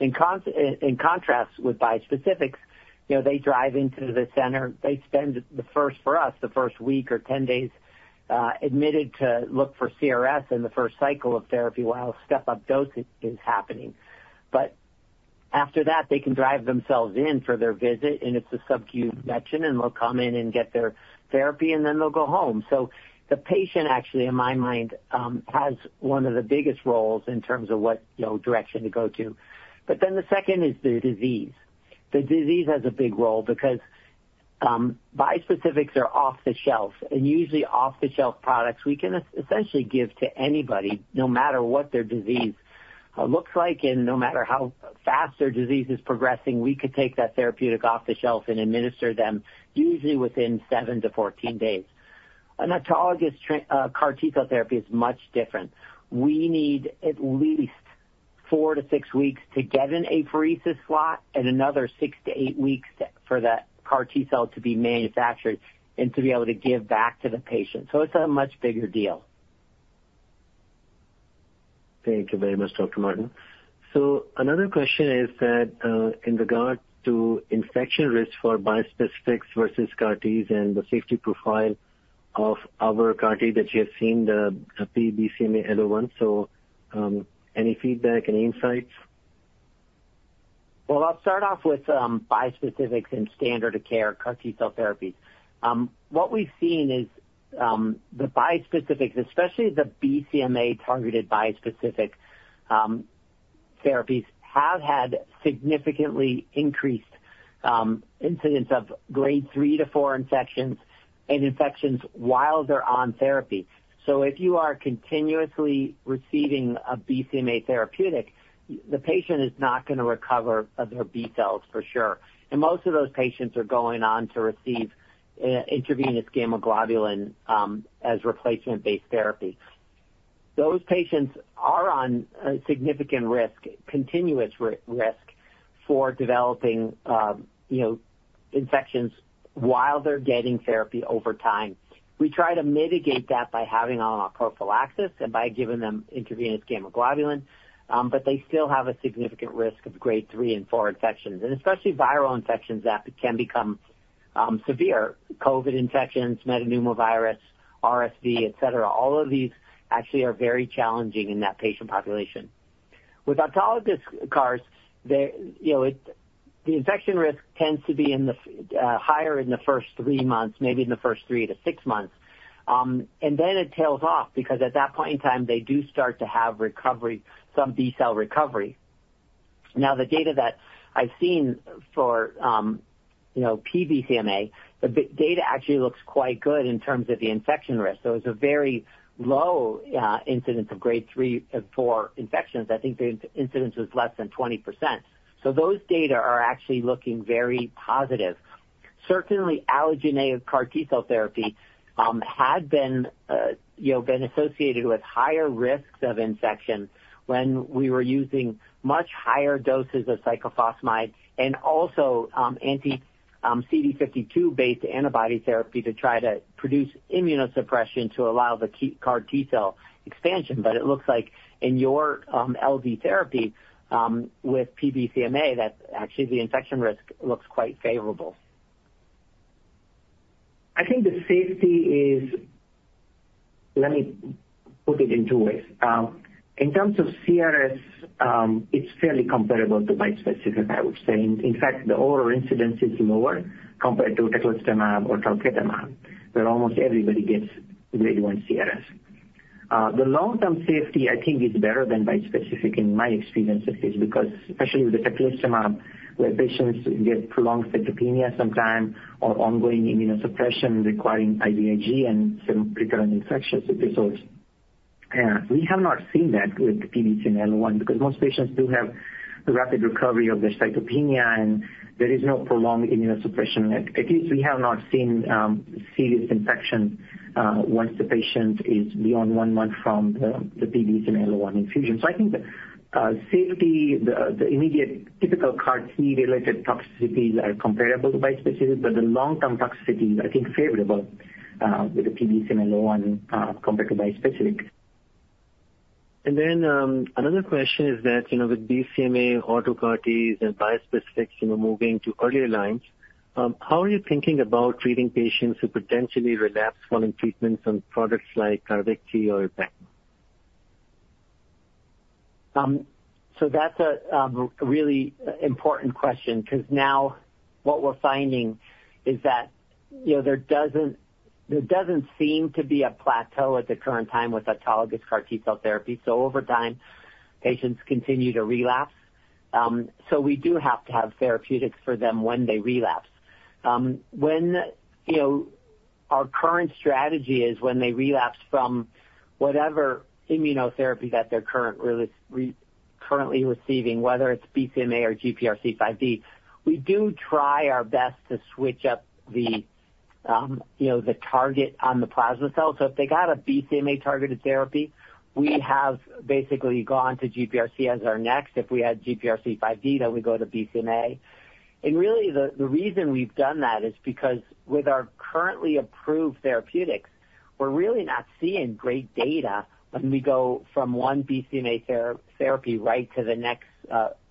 S6: In contrast with bispecifics, you know, they drive into the center. They spend the first, for us, the first week or 10 days admitted to look for CRS in the first cycle of therapy while step-up dosage is happening. But after that, they can drive themselves in for their visit, and it's a subQ injection, and they'll come in and get their therapy, and then they'll go home. So the patient actually, in my mind, has one of the biggest roles in terms of what, you know, direction to go to. But then the second is the disease. The disease has a big role because, bispecifics are off the shelf, and usually off-the-shelf products we can essentially give to anybody, no matter what their disease looks like, and no matter how fast their disease is progressing, we could take that therapeutic off the shelf and administer them usually within seven to 14 days. An autologous CAR T-cell therapy is much different. We need at least four to six weeks to get an apheresis slot and another six to eight weeks weeks for that CAR-T cell to be manufactured and to be able to give back to the patient, so it's a much bigger deal.
S5: Thank you very much, Dr. Martin. So another question is that, in regard to infection risk for bispecifics versus CAR-Ts and the safety profile of our CAR-T that you have seen, the P-BCMA-ALLO1. So, any feedback, any insights?
S6: I'll start off with bispecifics and standard of care CAR-T cell therapies. What we've seen is the bispecifics, especially the BCMA-targeted bispecific therapies, have had significantly increased incidence of grade 3 or 4 infections and infections while they're on therapy. So if you are continuously receiving a BCMA therapeutic, the patient is not gonna recover their B-cells for sure. And most of those patients are going on to receive intravenous gamma globulin as replacement-based therapy. Those patients are on significant risk, continuous risk for developing you know infections while they're getting therapy over time. We try to mitigate that by having them on prophylaxis and by giving them intravenous gamma globulin, but they still have a significant risk of grade three and four infections, and especially viral infections that can become severe. COVID infections, metapneumovirus, RSV, et cetera. All of these actually are very challenging in that patient population. With autologous CARs, you know, the infection risk tends to be higher in the first three months, maybe in the first three to six months. And then it tails off, because at that point in time, they do start to have recovery, some B-cell recovery. Now, the data that I've seen for, you know, P-BCMA, the data actually looks quite good in terms of the infection risk. So it's a very low incidence of grade three and four infections. I think the incidence was less than 20%. So those data are actually looking very positive. Certainly, allogeneic CAR T-cell therapy had been, you know, been associated with higher risks of infection when we were using much higher doses of cyclophosphamide and also anti-CD52-based antibody therapy to try to produce immunosuppression to allow the CAR T-cell expansion. But it looks like in your LD therapy with P-BCMA, that actually the infection risk looks quite favorable....
S4: I think the safety is. Let me put it in two ways. In terms of CRS, it's fairly comparable to bispecific, I would say. In fact, the overall incidence is lower compared to teclistamab or talquetamab, where almost everybody gets grade one CRS. The long-term safety, I think, is better than bispecific in my experience with this, because especially with the teclistamab, where patients get prolonged cytopenia sometimes or ongoing immunosuppression requiring IVIG and some recurrent infection episodes. We have not seen that with P-BCMA-ALLO1, because most patients do have a rapid recovery of their cytopenia, and there is no prolonged immunosuppression. At least we have not seen serious infection once the patient is beyond one month from the P-BCMA-ALLO1 infusion. So I think the safety, the immediate typical CAR-T related toxicities are comparable to bispecific, but the long-term toxicity is, I think, favorable with the P-BCMA-ALLO1 compared to bispecific.
S5: And then, another question is that, you know, with BCMA, auto CAR-Ts, and bispecifics, you know, moving to earlier lines, how are you thinking about treating patients who potentially relapse following treatments on products like Carvykti or Abecma?
S6: So that's a really important question, 'cause now what we're finding is that, you know, there doesn't seem to be a plateau at the current time with autologous CAR T cell therapy, so over time, patients continue to relapse, so we do have to have therapeutics for them when they relapse. When, you know, our current strategy is when they relapse from whatever immunotherapy that they're currently receiving, whether it's BCMA or GPRC5D, we do try our best to switch up the, you know, the target on the plasma cell. So if they got a BCMA-targeted therapy, we have basically gone to GPRC5D as our next. If we had GPRC5D, then we go to BCMA. And really, the reason we've done that is because with our currently approved therapeutics, we're really not seeing great data when we go from one BCMA therapy right to the next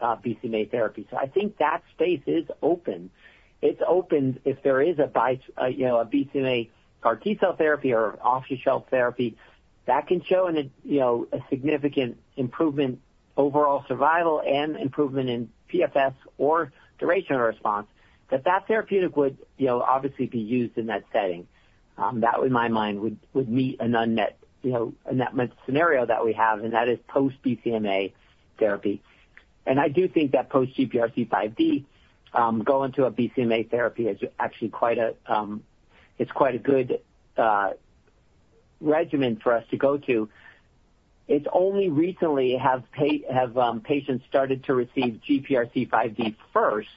S6: BCMA therapy. So I think that space is open. It's open if there is a, you know, a BCMA CAR-T cell therapy or off-the-shelf therapy that can show a, you know, a significant improvement, overall survival and improvement in PFS or duration of response, that therapeutic would, you know, obviously be used in that setting. That in my mind, would meet an unmet, you know, unmet scenario that we have, and that is post-BCMA therapy. I do think that post GPRC5D, going to a BCMA therapy is actually quite a is quite a good regimen for us to go to. It's only recently patients have started to receive GPRC5D first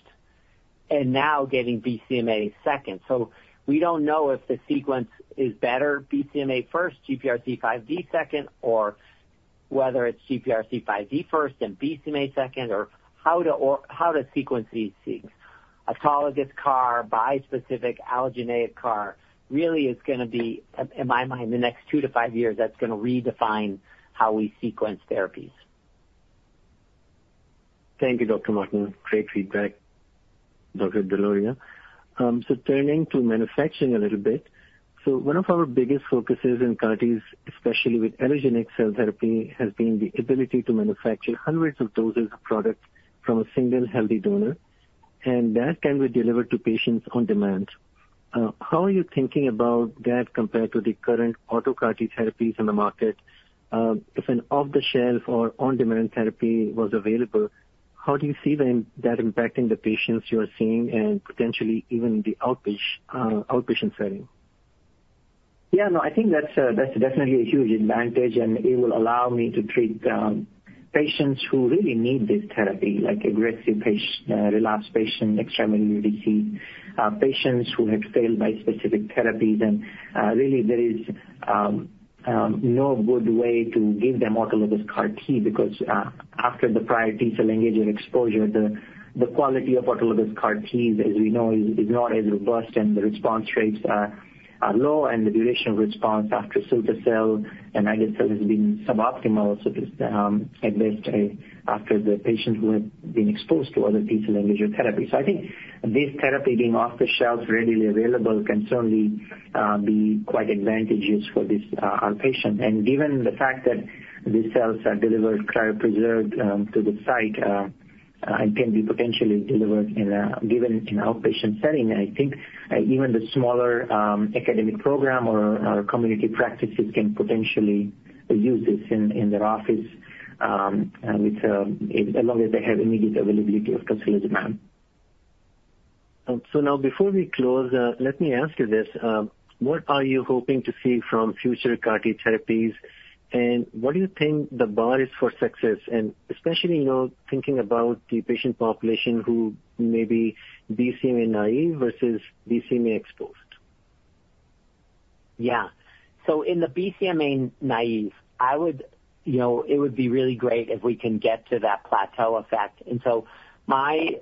S6: and now getting BCMA second. So we don't know if the sequence is better, BCMA first, GPRC5D second, or whether it's GPRC5D first and BCMA second, or how to sequence these things. Autologous CAR, bispecific, allogeneic CAR really is gonna be, in my mind, the next two to five years. That's gonna redefine how we sequence therapies.
S5: Thank you, Dr. Martin. Great feedback, Dr. Dholaria. So turning to manufacturing a little bit. So one of our biggest focuses in CAR Ts, especially with allogeneic cell therapy, has been the ability to manufacture hundreds of doses of products from a single healthy donor, and that can be delivered to patients on demand. How are you thinking about that compared to the current auto CAR T therapies on the market? If an off-the-shelf or on-demand therapy was available, how do you see them, that impacting the patients you are seeing and potentially even the outpatient setting?
S4: Yeah, no, I think that's definitely a huge advantage, and it will allow me to treat patients who really need this therapy, like aggressive patient, relapse patient, patients who have failed bispecific therapies. And really there is no good way to give them autologous CAR-T, because after the prior T-cell engagement exposure, the quality of autologous CAR Ts, as we know, is not as robust and the response rates are low, and the duration of response after Carvykti and Abecma has been suboptimal at least for the patients who have been exposed to other T-cell engagement therapy, so I think this therapy, being off the shelf, readily available, can certainly be quite advantageous for this, our patient. Given the fact that these cells are delivered cryopreserved to the site and can be potentially delivered in an outpatient setting, I think even the smaller academic program or community practices can potentially use this in their office, as long as they have immediate availability of support on demand.
S5: Now before we close, let me ask you this. What are you hoping to see from future CAR-T therapies, and what do you think the bar is for success? Especially, you know, thinking about the patient population who may be BCMA naive versus BCMA exposed.
S6: Yeah. So in the BCMA-naïve,I would you know, it would be really great if we can get to that plateau effect. And so my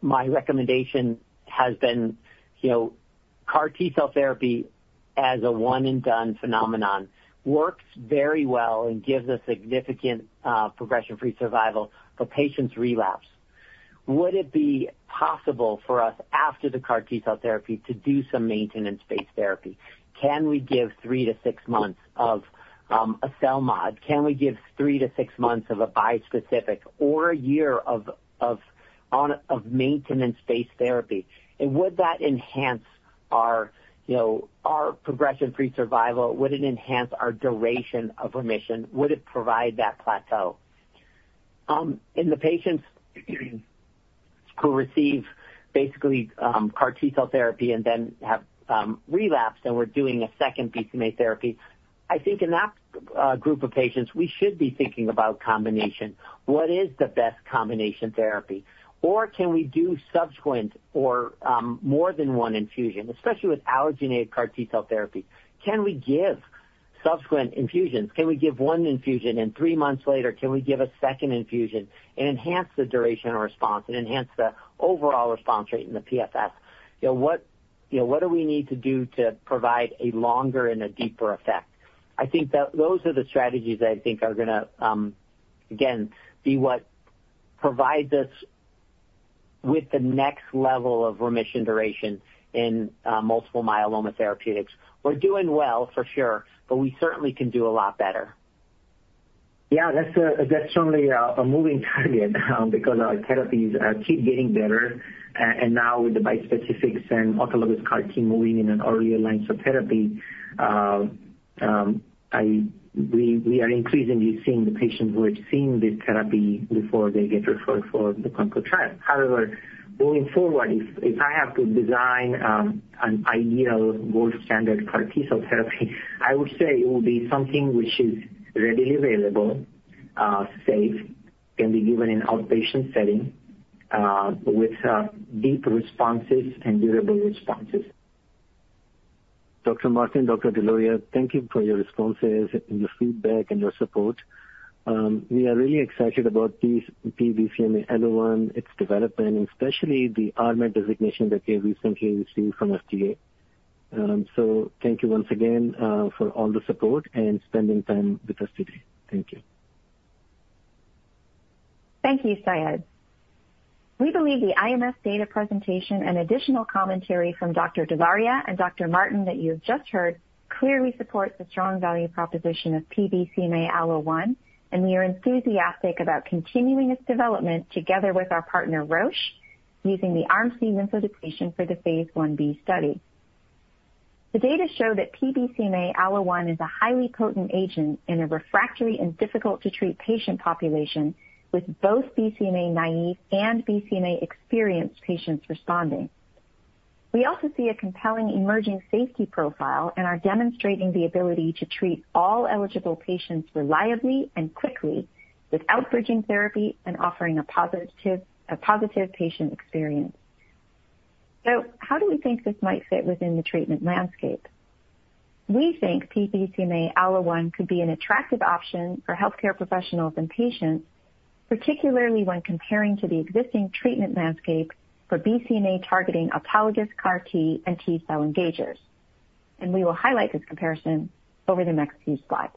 S6: my recommendation has been, you know, CAR-T cell therapy as a one-and-done phenomenon works very well and gives a significant progression-free survival, but patients relapse. Would it be possible for us, after the CAR-T cell therapy, to do some maintenance-based therapy? Can we give three to six months of a CELMoD? Can we give three to six months of a bispecific or a year of of maintenance-based therapy? And would that enhance our, you know, our progression-free survival? Would it enhance our duration of remission? Would it provide that plateau? In the patients who receive basically, CAR-T cell therapy and then have, relapsed, and we're doing a second BCMA therapy, I think in that, group of patients, we should be thinking about combination. What is the best combination therapy? Or can we do subsequent or, more than one infusion, especially with allogeneic CAR-T cell therapy, can we give subsequent infusions? Can we give one infusion and three months later, can we give a second infusion and enhance the duration of response and enhance the overall response rate in the PFS? You know what, what do we need to do to provide a longer and a deeper effect? I think that those are the strategies that I think are gonna, again, be what provides us with the next level of remission duration in, multiple myeloma therapeutics. We're doing well, for sure, but we certainly can do a lot better.
S4: Yeah, that's certainly a moving target because our therapies keep getting better, and now with the bispecifics and autologous CAR-T moving in an earlier line of therapy, we are increasingly seeing the patients who have seen this therapy before they get referred for the clinical trial. However, going forward, if I have to design an ideal gold standard CAR-T cell therapy, I would say it will be something which is readily available, safe, can be given in outpatient setting, with deep responses and durable responses. Dr. Martin, Dr. Dholaria, thank you for your responses and your feedback and your support. We are really excited about this P-BCMA-ALLO1, its development, and especially the RMAT designation that we recently received from FDA.
S5: And I am so, thank you once again for all the support and spending time with us today. Thank you.
S3: Thank you, Syed. We believe the IMS data presentation and additional commentary from Dr. Dholaria and Dr. Martin that you have just heard clearly supports the strong value proposition of P-BCMA-ALLO1, and we are enthusiastic about continuing its development together with our partner, Roche, using the Arm C lymphodepletion for the phase I-B study. The data show that P-BCMA-ALLO1 is a highly potent agent in a refractory and difficult-to-treat patient population, with both BCMA-naive and BCMA-experienced patients responding. We also see a compelling emerging safety profile and are demonstrating the ability to treat all eligible patients reliably and quickly without bridging therapy and offering a positive patient experience, so how do we think this might fit within the treatment landscape? We think P-BCMA-ALLO1 could be an attractive option for healthcare professionals and patients, particularly when comparing to the existing treatment landscape for BCMA-targeting autologous CAR-T and T-cell engagers, and we will highlight this comparison over the next few slides.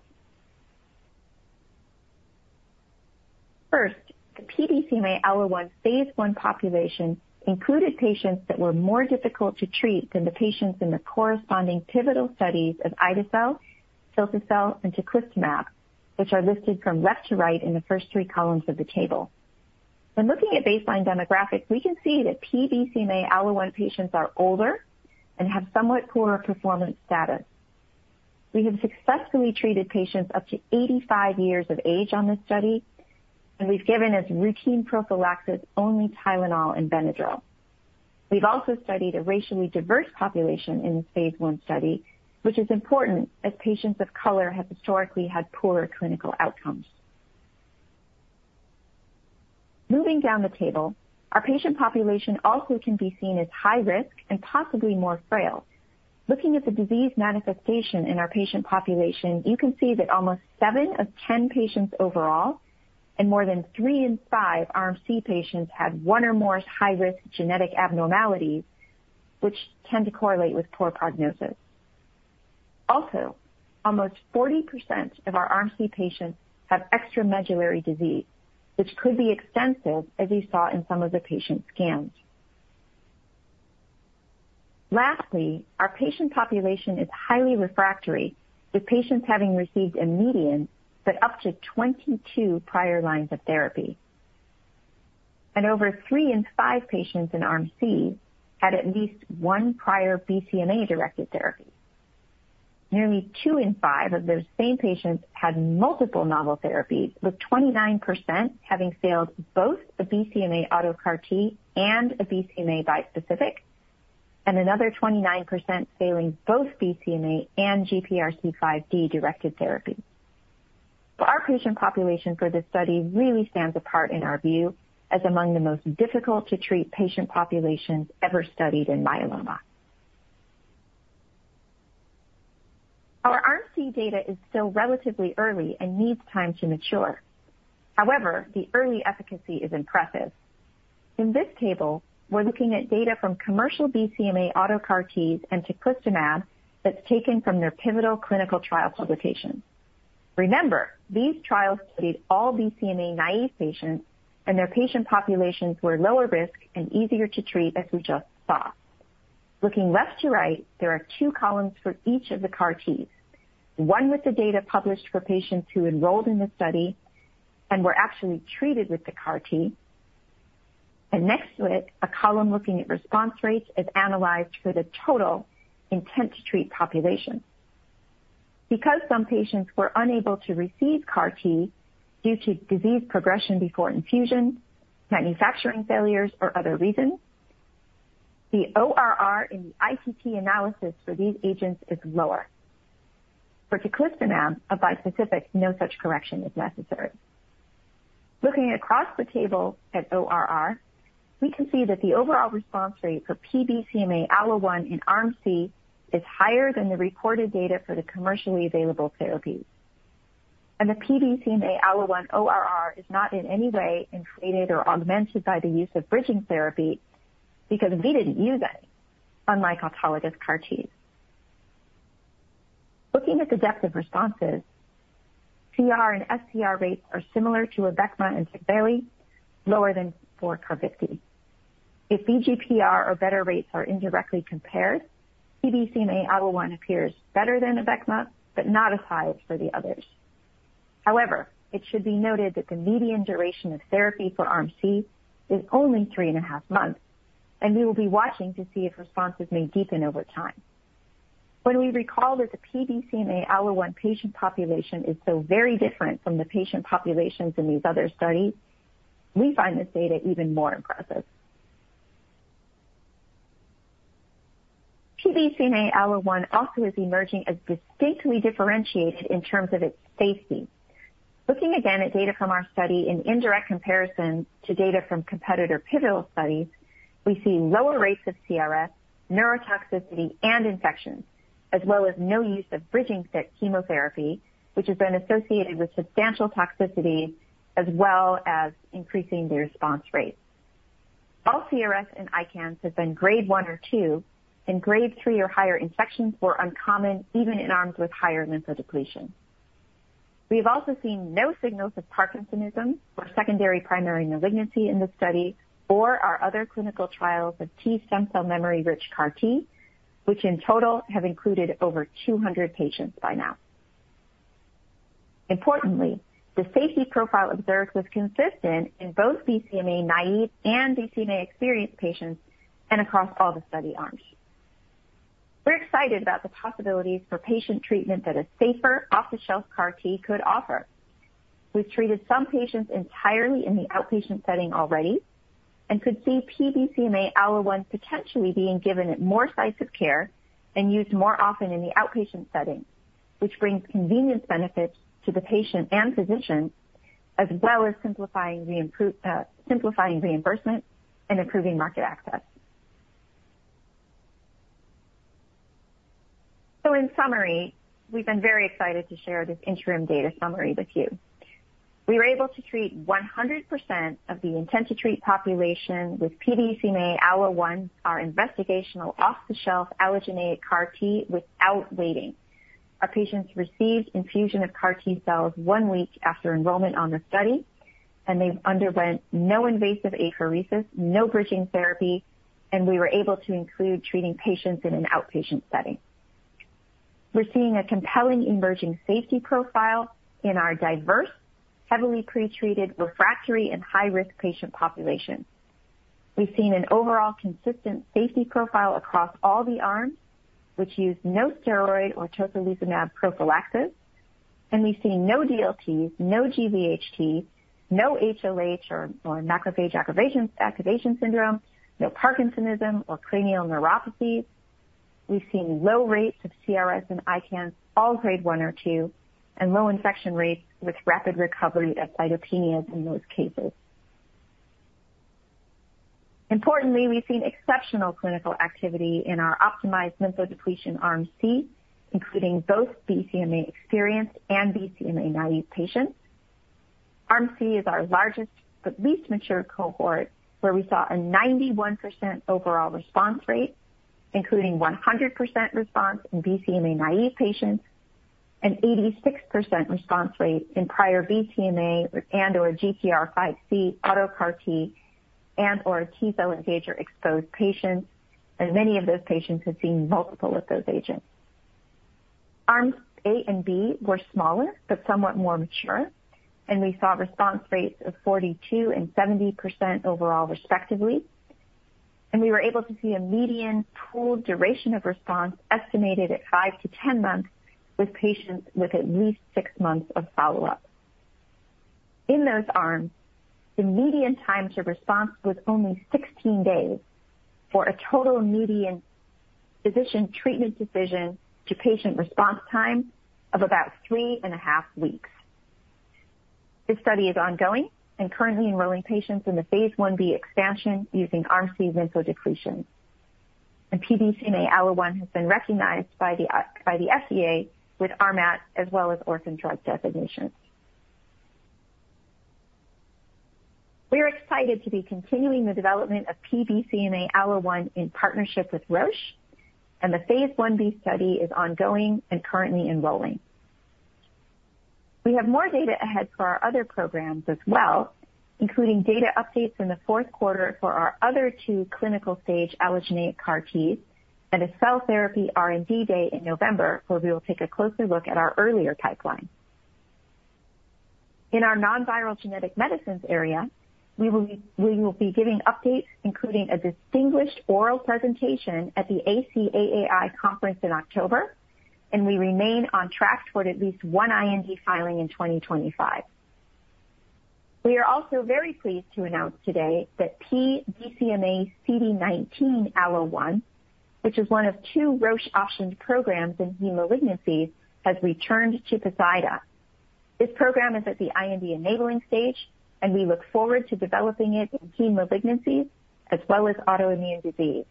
S3: First, the P-BCMA-ALLO1 phase I population included patients that were more difficult to treat than the patients in the corresponding pivotal studies of ide-cel, cilta-cel, and teclistamab, which are listed from left to right in the first three columns of the table. When looking at baseline demographics, we can see that P-BCMA-ALLO1 patients are older and have somewhat poorer performance status. We have successfully treated patients up to 85 years of age on this study, and we've given as routine prophylaxis, only Tylenol and Benadryl. We've also studied a racially diverse population in the phase I study, which is important, as patients of color have historically had poorer clinical outcomes. Moving down the table, our patient population also can be seen as high risk and possibly more frail. Looking at the disease manifestation in our patient population, you can see that almost seven of 10 patients overall, and more than three in five Arm C patients, had one or more high-risk genetic abnormalities, which tend to correlate with poor prognosis. Also, almost 40% of our Arm C patients have extramedullary disease, which could be extensive, as we saw in some of the patient scans. Lastly, our patient population is highly refractory, with patients having received a median, but up to 22 prior lines of therapy, and over three in five patients in Arm C had at least one prior BCMA-directed therapy. Nearly two in five of those same patients had multiple novel therapies, with 29% having failed both a BCMA auto CAR-T and a BCMA bispecific, and another 29% failing both BCMA and GPRC5D-directed therapy, so our patient population for this study really stands apart in our view, as among the most difficult-to-treat patient populations ever studied in myeloma. Our Arm C data is still relatively early and needs time to mature. However, the early efficacy is impressive. In this table, we're looking at data from commercial BCMA auto CAR-Ts and teclistamab that's taken from their pivotal clinical trial publications. Remember, these trials studied all BCMA-naive patients, and their patient populations were lower risk and easier to treat, as we just saw. Looking left to right, there are two columns for each of the CAR-Ts, one with the data published for patients who enrolled in the study and were actually treated with the CAR-T, and next to it, a column looking at response rates as analyzed for the total intent-to-treat population. Because some patients were unable to receive CAR-T due to disease progression before infusion, manufacturing failures, or other reasons, the ORR in the ITT analysis for these agents is lower. For teclistamab, a bispecific, no such correction is necessary. Looking across the table at ORR, we can see that the overall response rate for P-BCMA-ALLO1 in Arm C is higher than the reported data for the commercially available therapies, and the P-BCMA-ALLO1 ORR is not in any way inflated or augmented by the use of bridging therapy because we didn't use any, unlike autologous CAR-T. Looking at the depth of responses, CR and SDR rates are similar to Abecma and Tecvay, lower than for Carvykti. If VGPR or better rates are indirectly compared, P-BCMA-ALLO1 appears better than Abecma, but not as high as for the others. However, it should be noted that the median duration of therapy for Arm C is only three and a half months, and we will be watching to see if responses may deepen over time. When we recall that the P-BCMA-ALLO1 patient population is so very different from the patient populations in these other studies, we find this data even more impressive. P-BCMA-ALLO1 also is emerging as distinctly differentiated in terms of its safety. Looking again at data from our study in indirect comparison to data from competitor pivotal studies, we see lower rates of CRS, neurotoxicity, and infections, as well as no use of bridging chemotherapy, which has been associated with substantial toxicity as well as increasing the response rates. All CRS and ICANS have been grade one or two, and grade three or higher infections were uncommon even in arms with higher lymphodepletion. We have also seen no signals of parkinsonism or secondary primary malignancy in this study or our other clinical trials of T stem cell memory rich CAR-T, which in total have included over two hundred patients by now. Importantly, the safety profile observed was consistent in both BCMA naive and BCMA-experienced patients and across all the study arms. We're excited about the possibilities for patient treatment that a safer, off-the-shelf CAR-T could offer. We've treated some patients entirely in the outpatient setting already and could see P-BCMA-ALLO1 potentially being given at more sites of care and used more often in the outpatient setting, which brings convenience benefits to the patient and physician, as well as simplifying reimbursement and improving market access. So in summary, we've been very excited to share this interim data summary with you. We were able to treat 100% of the intent-to-treat population with P-BCMA-ALLO1, our investigational off-the-shelf allogeneic CAR-T, without waiting. Our patients received infusion of CAR-T cells one week after enrollment on the study, and they've underwent no invasive apheresis, no bridging therapy, and we were able to include treating patients in an outpatient setting. We're seeing a compelling emerging safety profile in our diverse, heavily pretreated, refractory, and high-risk patient population. We've seen an overall consistent safety profile across all the arms, which use no steroid or tocilizumab prophylaxis, and we've seen no DLTs, no GvHD, no HLH or macrophage activation syndrome, no Parkinsonism or cranial neuropathy. We've seen low rates of CRS and ICANS, all grade one or two, and low infection rates with rapid recovery of cytopenias in those cases. Importantly, we've seen exceptional clinical activity in our optimized lymphodepletion Arm C, including both BCMA-experienced and BCMA-naive patients. Arm C is our largest but least mature cohort, where we saw a 91% overall response rate, including 100% response in BCMA-naive patients and 86% response rate in prior BCMA and/or GPRC5D auto CAR-T and/or T-cell engagement-exposed patients, and many of those patients had seen multiple of those agents. Arms A and B were smaller but somewhat more mature, and we saw response rates of 42% and 70% overall, respectively, and we were able to see a median pooled duration of response estimated at five to 10 months, with patients with at least six months of follow-up. In those arms, the median time to response was only 16 days, for a total median physician treatment decision to patient response time of about three and a half weeks. This study is ongoing and currently enrolling patients in the phase 1B expansion using Arm C lymphodepletion, and P-BCMA-ALLO1 has been recognized by the FDA with RMAT as well as orphan drug designation. We are excited to be continuing the development of P-BCMA-ALLO1 in partnership with Roche, and the phase 1-B study is ongoing and currently enrolling. We have more data ahead for our other programs as well, including data updates in the fourth quarter for our other two clinical-stage allogeneic CAR-Ts and a cell therapy R&D day in November, where we will take a closer look at our earlier pipeline. In our non-viral genetic medicines area, we will be giving updates, including a distinguished oral presentation at the ACAAI conference in October, and we remain on track for at least one IND filing in 2025. We are also very pleased to announce today that P-BCMA-CD19-ALLO1, which is one of two Roche optioned programs in hematologic malignancies, has returned to Poseida. This program is at the IND-enabling stage, and we look forward to developing it in hematologic malignancies as well as autoimmune disease.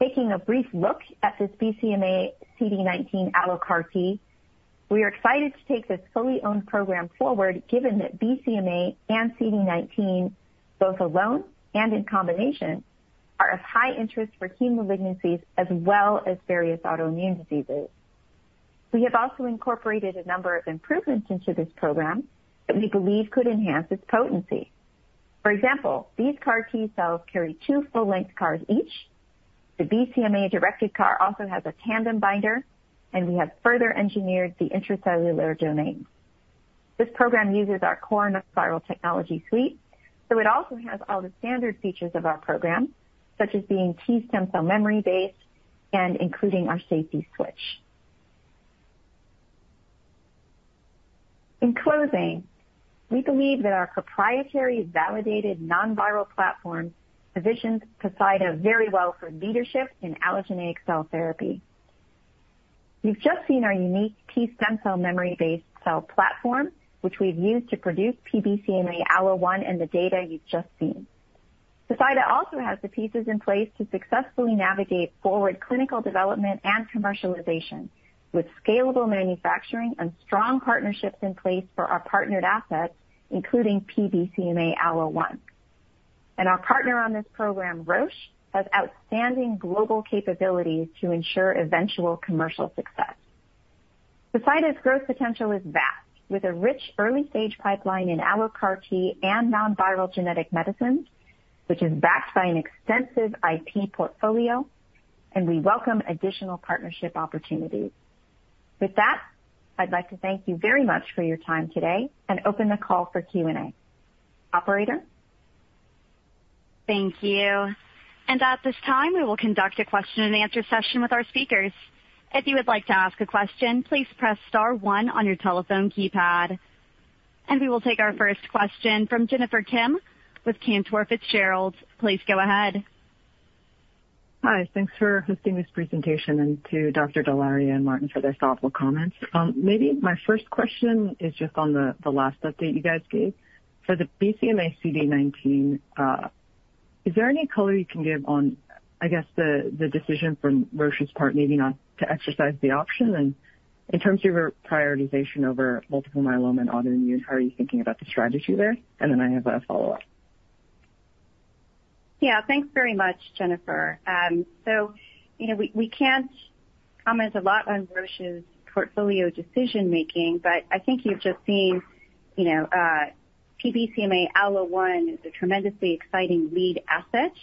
S3: Taking a brief look at this BCMA-CD19 allo CAR-T, we are excited to take this fully owned program forward, given that BCMA and CD19, both alone and in combination, are of high interest for heme malignancies as well as various autoimmune diseases. We have also incorporated a number of improvements into this program that we believe could enhance its potency. For example, these CAR-T cells carry two full-length CARs each. The BCMA-directed CAR also has a tandem binder, and we have further engineered the intracellular domain. This program uses our core non-viral technology suite, so it also has all the standard features of our program, such as being T stem cell memory-based and including our safety switch. In closing, we believe that our proprietary, validated, non-viral platform positions Poseida very well for leadership in allogeneic cell therapy. You've just seen our unique T stem cell memory-based cell platform, which we've used to produce P-BCMA-ALLO1 and the data you've just seen. Poseida also has the pieces in place to successfully navigate forward clinical development and commercialization, with scalable manufacturing and strong partnerships in place for our partnered assets, including P-BCMA-ALLO1. And our partner on this program, Roche, has outstanding global capabilities to ensure eventual commercial success. Poseida's growth potential is vast, with a rich early-stage pipeline in allo CAR-T and non-viral genetic medicines, which is backed by an extensive IP portfolio, and we welcome additional partnership opportunities. With that, I'd like to thank you very much for your time today and open the call for Q&A. Operator?
S1: Thank you. And a this time, we will conduct a question-and-answer session with our speakers. If you would like to ask a question, please press star one on your telephone keypad, and we will take our first question from Jennifer Kim with Cantor Fitzgerald. Please go ahead.
S7: Hi, thanks for hosting this presentation and to Dr. Dholaria and Martin for their thoughtful comments. Maybe my first question is just on the last update you guys gave. For the BCMA CD19, is there any color you can give on, I guess, the the decision from Roche's part, maybe not to exercise the option? And in terms of your prioritization over multiple myeloma and autoimmune, how are you thinking about the strategy there? And then I have a follow-up.
S3: Yeah, thanks very much, Jennifer. So, you know, we can't comment a lot on Roche's portfolio decision-making, but I think you've just seen, you know, P-BCMA-ALLO1 is a tremendously exciting lead asset.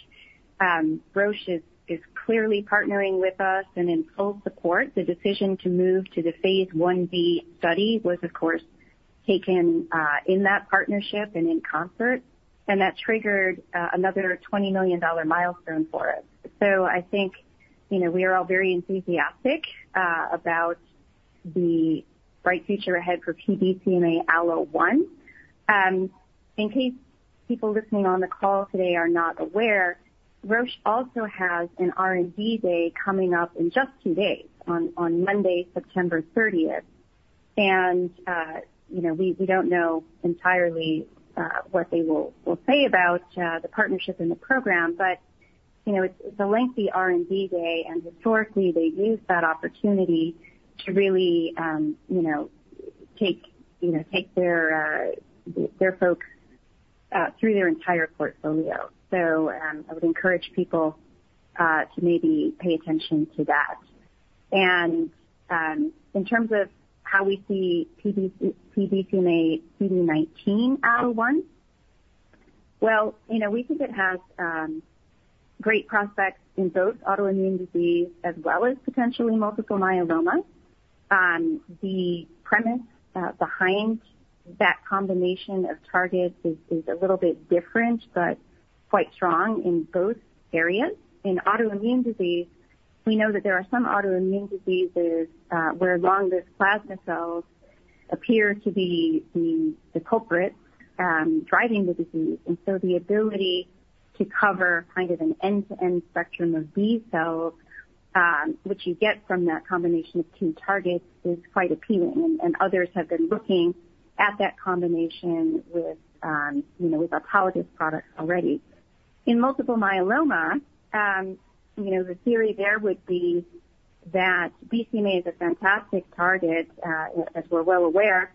S3: Roche is clearly partnering with us and in full support. The decision to move to the phase 1-B study was of course taken in that partnership and in concert, and that triggered another $20 million milestone for us. So I think, you know, we are all very enthusiastic about the bright future ahead for P-BCMA-ALLO1. In case people listening on the call today are not aware, Roche also has an R&D day coming up in just two days, on Monday, 30th September. And you know, we don't know entirely what they will say about the partnership and the program, but you know, it's a lengthy R&D Day, and historically, they've used that opportunity to really you know take you know take their folks through their entire portfolio. So I would encourage people to maybe pay attention to that. And in terms of how we see P-BCMA-CD19-ALLO1, well you know we think it has great prospects in both autoimmune disease as well as potentially multiple myeloma. And the premise behind that combination of targets is a little bit different, but quite strong in both areas. In autoimmune disease, we know that there are some autoimmune diseases where long-lived plasma cells appear to be the culprit driving the disease. And so the ability to cover kind of an end-to-end spectrum of B cells, which you get from that combination of two targets, is quite appealing, and others have been looking at that combination with, you know, autologous products already. ...In multiple myeloma, you know, the theory there would be that BCMA is a fantastic target, as we're well aware,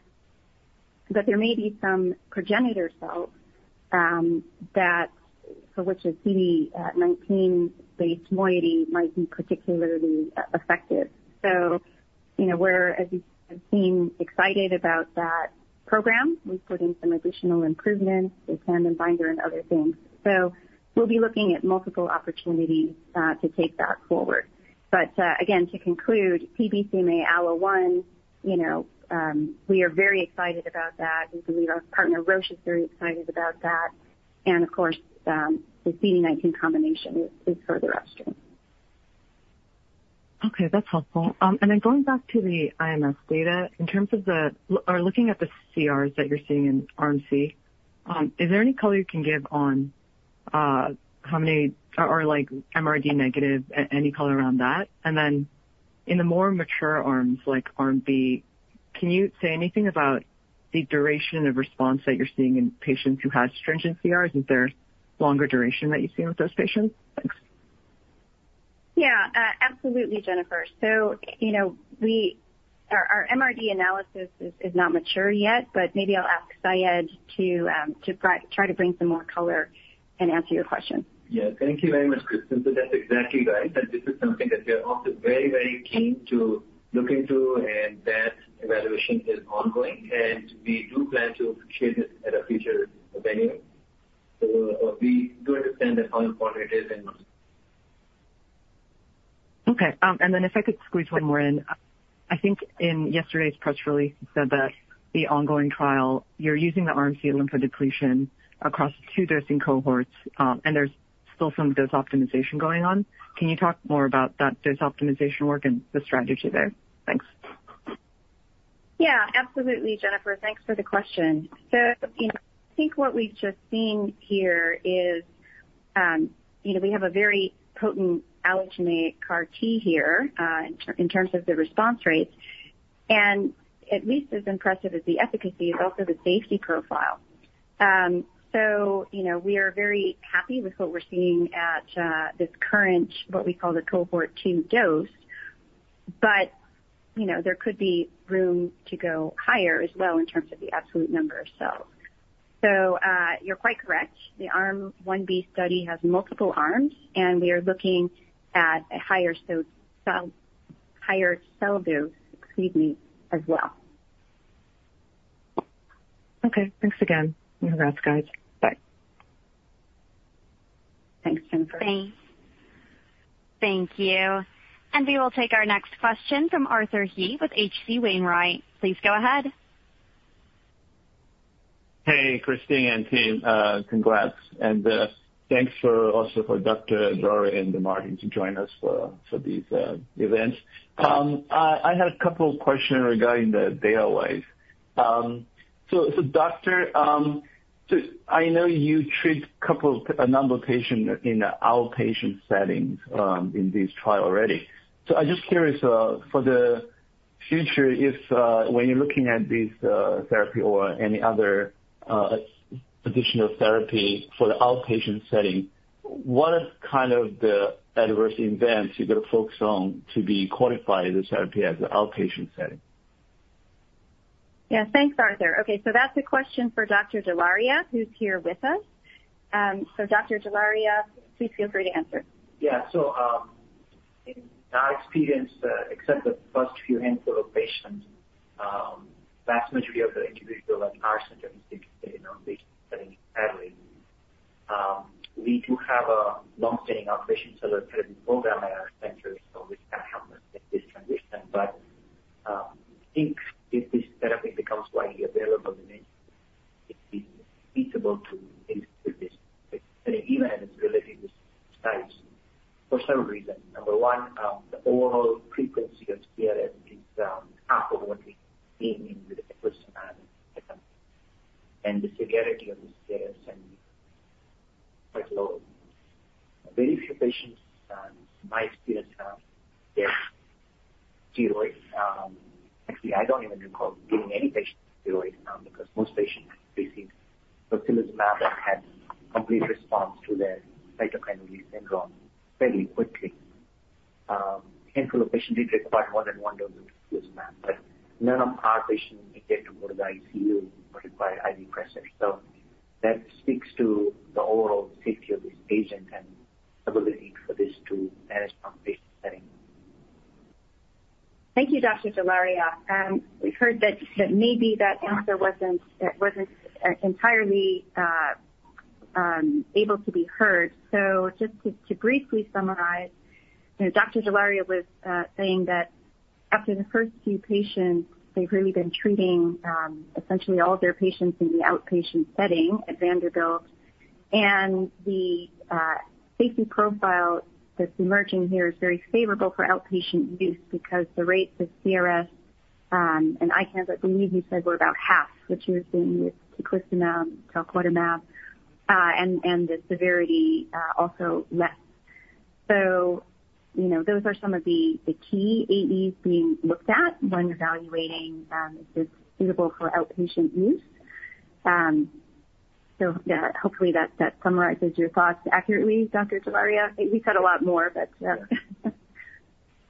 S3: but there may be some progenitor cells, that for which a CD19-based moiety might be particularly, effective. So you know, we're, as you've seen, excited about that program. We've put in some additional improvements with tandem binder and other things. So we'll be looking at multiple opportunities, to take that forward. But, again, to conclude, BCMA ALLO1, you know, we are very excited about that. We believe our partner, Roche, is very excited about that. And of course, the CD19 combination is further upstream.
S7: Okay, that's helpful. And then going back to the IMS data, in terms of the, or looking at the CRs that you're seeing in Arm C, is there any color you can give on, how many or, like, MRD negative, any color around that? And then in the more mature arms, like Arm B, can you say anything about the duration of response that you're seeing in patients who have stringent CRs? Is there longer duration that you've seen with those patients? Thanks.
S3: Yeah, absolutely, Jennifer. So, you know, we our MRD analysis is not mature yet, but maybe I'll ask Syed to try to bring some more color and answer your question.
S5: Yeah. Thank you very much, Kristin. So that's exactly right. And this is something that we are also very, very keen to look into, and that evaluation is ongoing, and we do plan to share this at a future venue. So we do understand that how important it is and-
S7: Okay. And then if I could squeeze one more in. I think in yesterday's press release, you said that the ongoing trial, you're using the Arm C lymphodepletion across two dosing cohorts, and there's still some dose optimization going on. Can you talk more about that dose optimization work and the strategy there? Thanks.
S3: Yeah, absolutely, Jennifer. Thanks for the question. So, you know, I think what we've just seen here is, you know, we have a very potent allogeneic CAR T here, in terms of the response rates. And at least as impressive as the efficacy is also the safety profile. So, you know, we are very happy with what we're seeing at, this current, what we call the cohort two dose, but, you know, there could be room to go higher as well in terms of the absolute number of cells. So, you're quite correct. The arm I-B study has multiple arms, and we are looking at a higher cell higher cell dose, excuse me, as well.
S7: Okay, thanks again. Congrats, guys. Bye.
S3: Thanks, Jennifer.
S7: Thanks.
S1: Thank you. And we will take our next question from Arthur He with H.C. Wainwright. Please go ahead.
S8: Hey, Kristin and team. Congrats, and thanks also for Dr. Dholaria and Dr. Martin to join us for these events. I had a couple of questions regarding the data-wise. So, Doctor, so I know you treat a couple, a number of patients in an outpatient setting in this trial already. I'm just curious, for the future, if when you're looking at this therapy or any other additional therapy for the outpatient setting, what are kind of the adverse events you're gonna focus on to be qualify this therapy as an outpatient setting?
S3: Yeah. Thanks, Arthur. Okay, so that's a question for Dr. Dholaria, who's here with us. So, Dr. Dholaria, please feel free to answer.
S4: Yeah. So, in our experience, except the first few handful of patients, vast majority of the individuals in our center is in an outpatient setting heavily. We do have a long-standing outpatient cellular therapy program
S3: that's emerging here is very favorable for outpatient use because the rates of CRS and ICANS were about half what you were seeing with tocilizumab, sarilumab, and the severity also less. So, you know, those are some of the key AEs being looked at when evaluating if it's suitable for outpatient use. So yeah, hopefully that that summarizes your thoughts accurately, Dr. Dholaria. We've got a lot more, but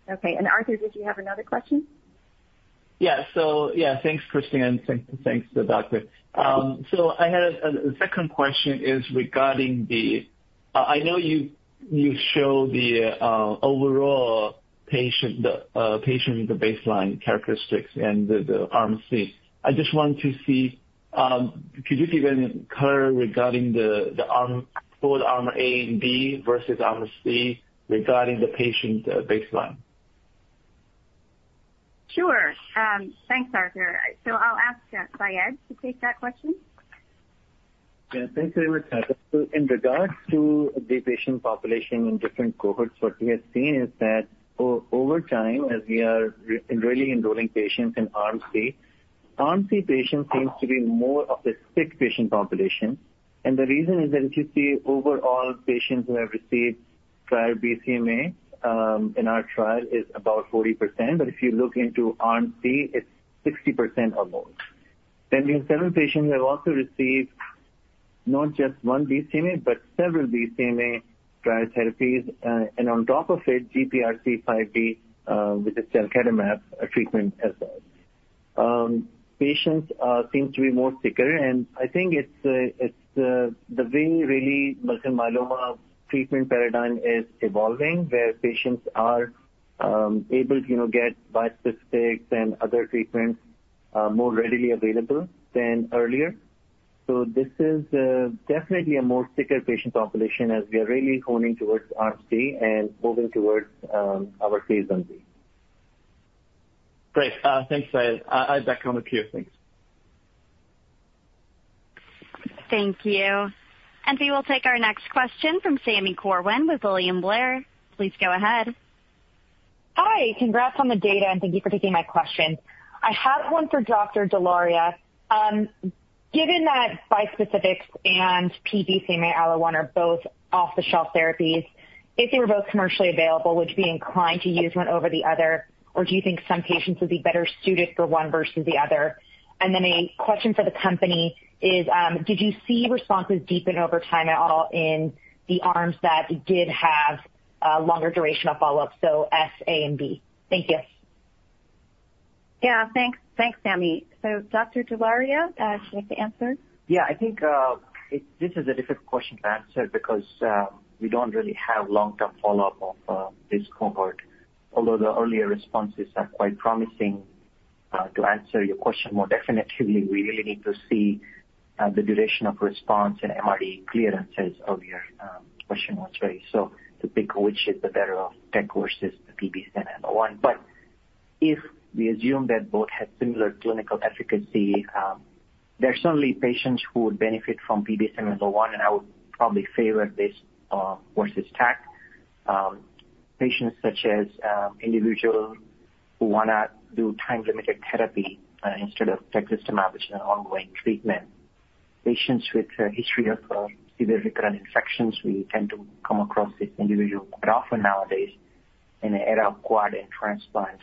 S3: okay. And Arthur, did you have another question?
S8: Yeah. So yeah, thanks, Kristin, and thanks to the doctor. So I had a second question is regarding the. I know you you show the overall patient baseline characteristics and the Arm C. I just want to see, could you give any color regarding the the arm, both Arm A and B versus Arm C regarding the patient baseline?
S3: Sure. And thanks, Arthur. So I'll ask, Syed to take that question.
S5: Yeah, thanks very much. So in regards to the patient population in different cohorts, what we have seen is that over time, as we are really enrolling patients in Arm C, Arm C patients seems to be more of a sick patient population. And the reason is that if you see overall patients who have received prior BCMA in our trial is about 40%, but if you look into Arm C, it's 60% or more. Then the seven patients have also received not just one BCMA, but several BCMA prior therapies, and on top of it, GPRC5D, which is teclistamab, a treatment as well. Patients seem to be more sicker, and I think it's it's the way really multiple myeloma treatment paradigm is evolving, where patients are able to, you know, get bispecific and other treatments more readily available than earlier. So this is definitely a more sicker patient population as we are really honing towards Arm C and moving towards our phase I-B.
S8: Great. Thanks, Syed. I'm back on the queue. Thanks.
S1: Thank you, and we will take our next question from Sami Corwin with William Blair. Please go ahead.
S9: Hi, congrats on the data, and thank you for taking my question. I have one for Dr. Dholaria. Given that bispecifics and BCMA-ALLO1 are built off-the-shelf therapies, if they were both commercially available, would you be inclined to use one over the other, or do you think some patients would be better suited for one versus the other? And then a question for the company is, did you see responses deepen over time at all in the arms that did have a longer duration of follow-up, so S, A, and B? Thank you.
S3: Yeah, thanks. Thanks, Sami. So, Dr. Dholaria, would you like to answer?
S4: Yeah, I think this is a difficult question to answer because we don't really have long-term follow-up of this cohort, although the earlier responses are quite promising. To answer your question more definitively, we really need to see the duration of response and MRD clearances. Your question was raised so to pick which is the better of Tecvay versus the BCMA-ALLO1. But if we assume that both have similar clinical efficacy, there are certainly patients who would benefit from BCMA-ALLO1, and I would probably favor this versus Tecvay. Patients such as individual who wanna do time-limited therapy instead of teclistamab, which is an ongoing treatment. Patients with a history of severe recurrent infections, we tend to come across this individual more often nowadays in the era of quad and transplant.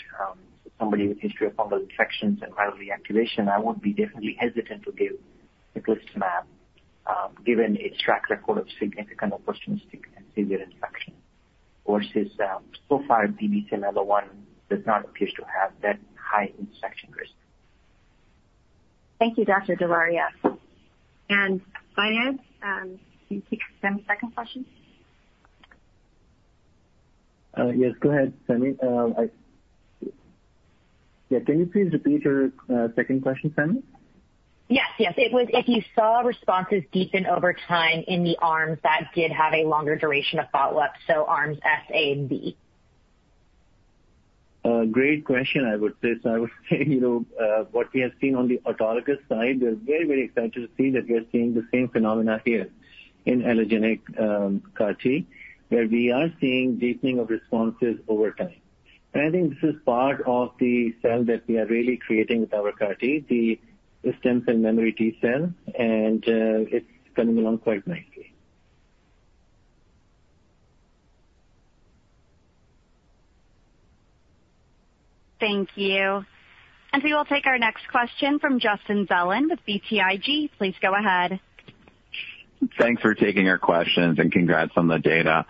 S4: Somebody with history of fungal infections and viral reactivation, I would be definitely hesitant to give the teclistamab, given its track record of significant opportunistic and severe infection, versus, so far, BCMA-ALLO1 does not appear to have that high infection risk.
S3: Thank you, Dr. Dholaria, and Syed, can you take Sami's second question?
S5: Yes, go ahead, Sami. Yeah, can you please repeat your second question, Sami?
S9: Yes. Yes, it was if you saw responses deepen over time in the arms that did have a longer duration of follow-up, so arms S, A, and B.
S5: Great question, I would say. So I would say, you know, what we have seen on the autologous side, we're very, very excited to see that we are seeing the same phenomena here in allogeneic CAR-T, where we are seeing deepening of responses over time. And I think this is part of the cell that we are really creating with our CAR-T, the stem cell memory T cell, and it's coming along quite nicely.
S1: Thank you, and we will take our next question from Justin Zelin with BTIG. Please go ahead.
S10: Thanks for taking our questions, and congrats on the data.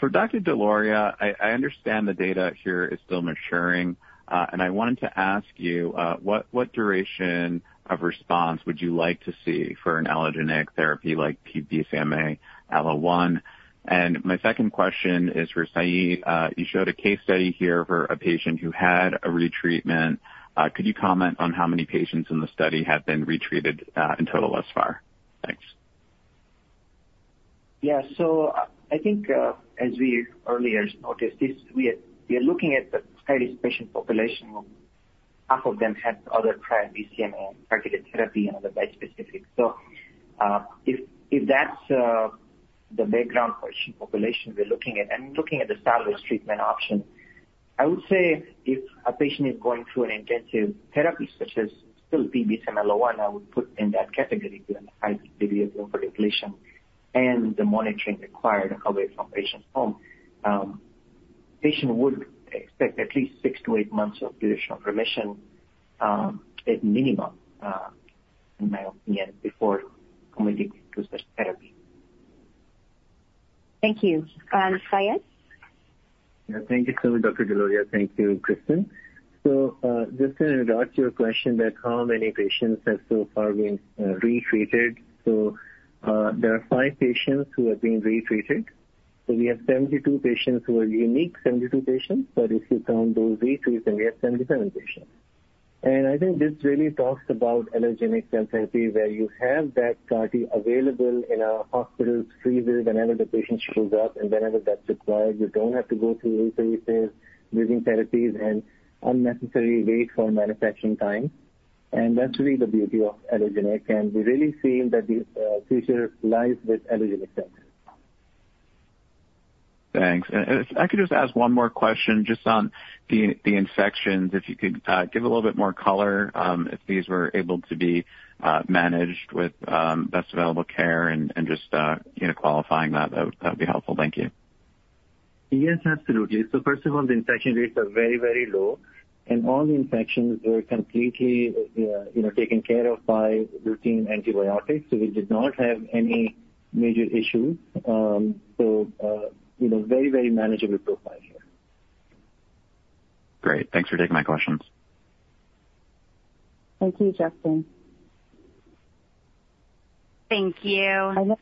S10: For Dr. Dholaria, I understand the data here is still maturing, and I wanted to ask you, what what duration of response would you like to see for an allogeneic therapy like BCMA-ALLO1? And my second question is for Syed. You showed a case study here for a patient who had a retreatment. Could you comment on how many patients in the study have been retreated, in total thus far? Thanks.
S4: Yeah. So I think, as we earlier noticed this, we are looking at the highest patient population. Half of them had other prior BCMA targeted therapy and other bispecific. So, if if that's the background patient population we're looking at, I mean looking at the standard treatment option-... I would say if a patient is going through an intensive therapy, such as P-BCMA-ALLO1, I would put in that category given the high degree of inflation and the monitoring required away from patient's home. Patient would expect at least six to eight months of duration of remission, at minimum, in my opinion, before committing to such therapy.
S3: Thank you. Syed?
S5: Yeah, thank you so much, Dr. Dholaria. Thank you, Kristin. So, just to add to your question that how many patients have so far been retreated? So, there are five patients who have been retreated. So we have 72 patients who are unique, 72 patients, but if you count those retreatment, we have 77 patients. And I think this really talks about allogeneic cell therapy, where you have that CAR-T available in a hospital freezer whenever the patient shows up and whenever that's required, you don't have to go through resources, using therapies and unnecessarily wait for manufacturing time. And that's really the beauty of allogeneic, and we're really seeing that the future lies with allogeneic cells.
S10: Thanks, and if I could just ask one more question just on the infections, if you could give a little bit more color, if these were able to be managed with best available care and, just you know, qualifying that, that would be helpful. Thank you.
S5: Yes, absolutely. So first of all, the infection rates are very, very low, and all the infections were completely, you know, taken care of by routine antibiotics. So we did not have any major issues. So, you know, very, very manageable profile here.
S10: Great. Thanks for taking my questions.
S3: Thank you, Justin.
S1: Thank you,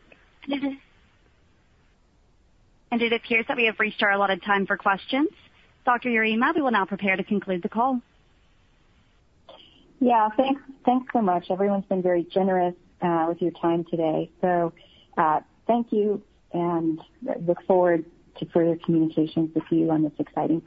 S1: and it appears that we have reached our allotted time for questions. Dr. Yarema, we will now prepare to conclude the call.
S3: Yeah. Thanks, thanks so much. Everyone's been very generous with your time today. So, thank you, and look forward to further communications with you on this exciting topic.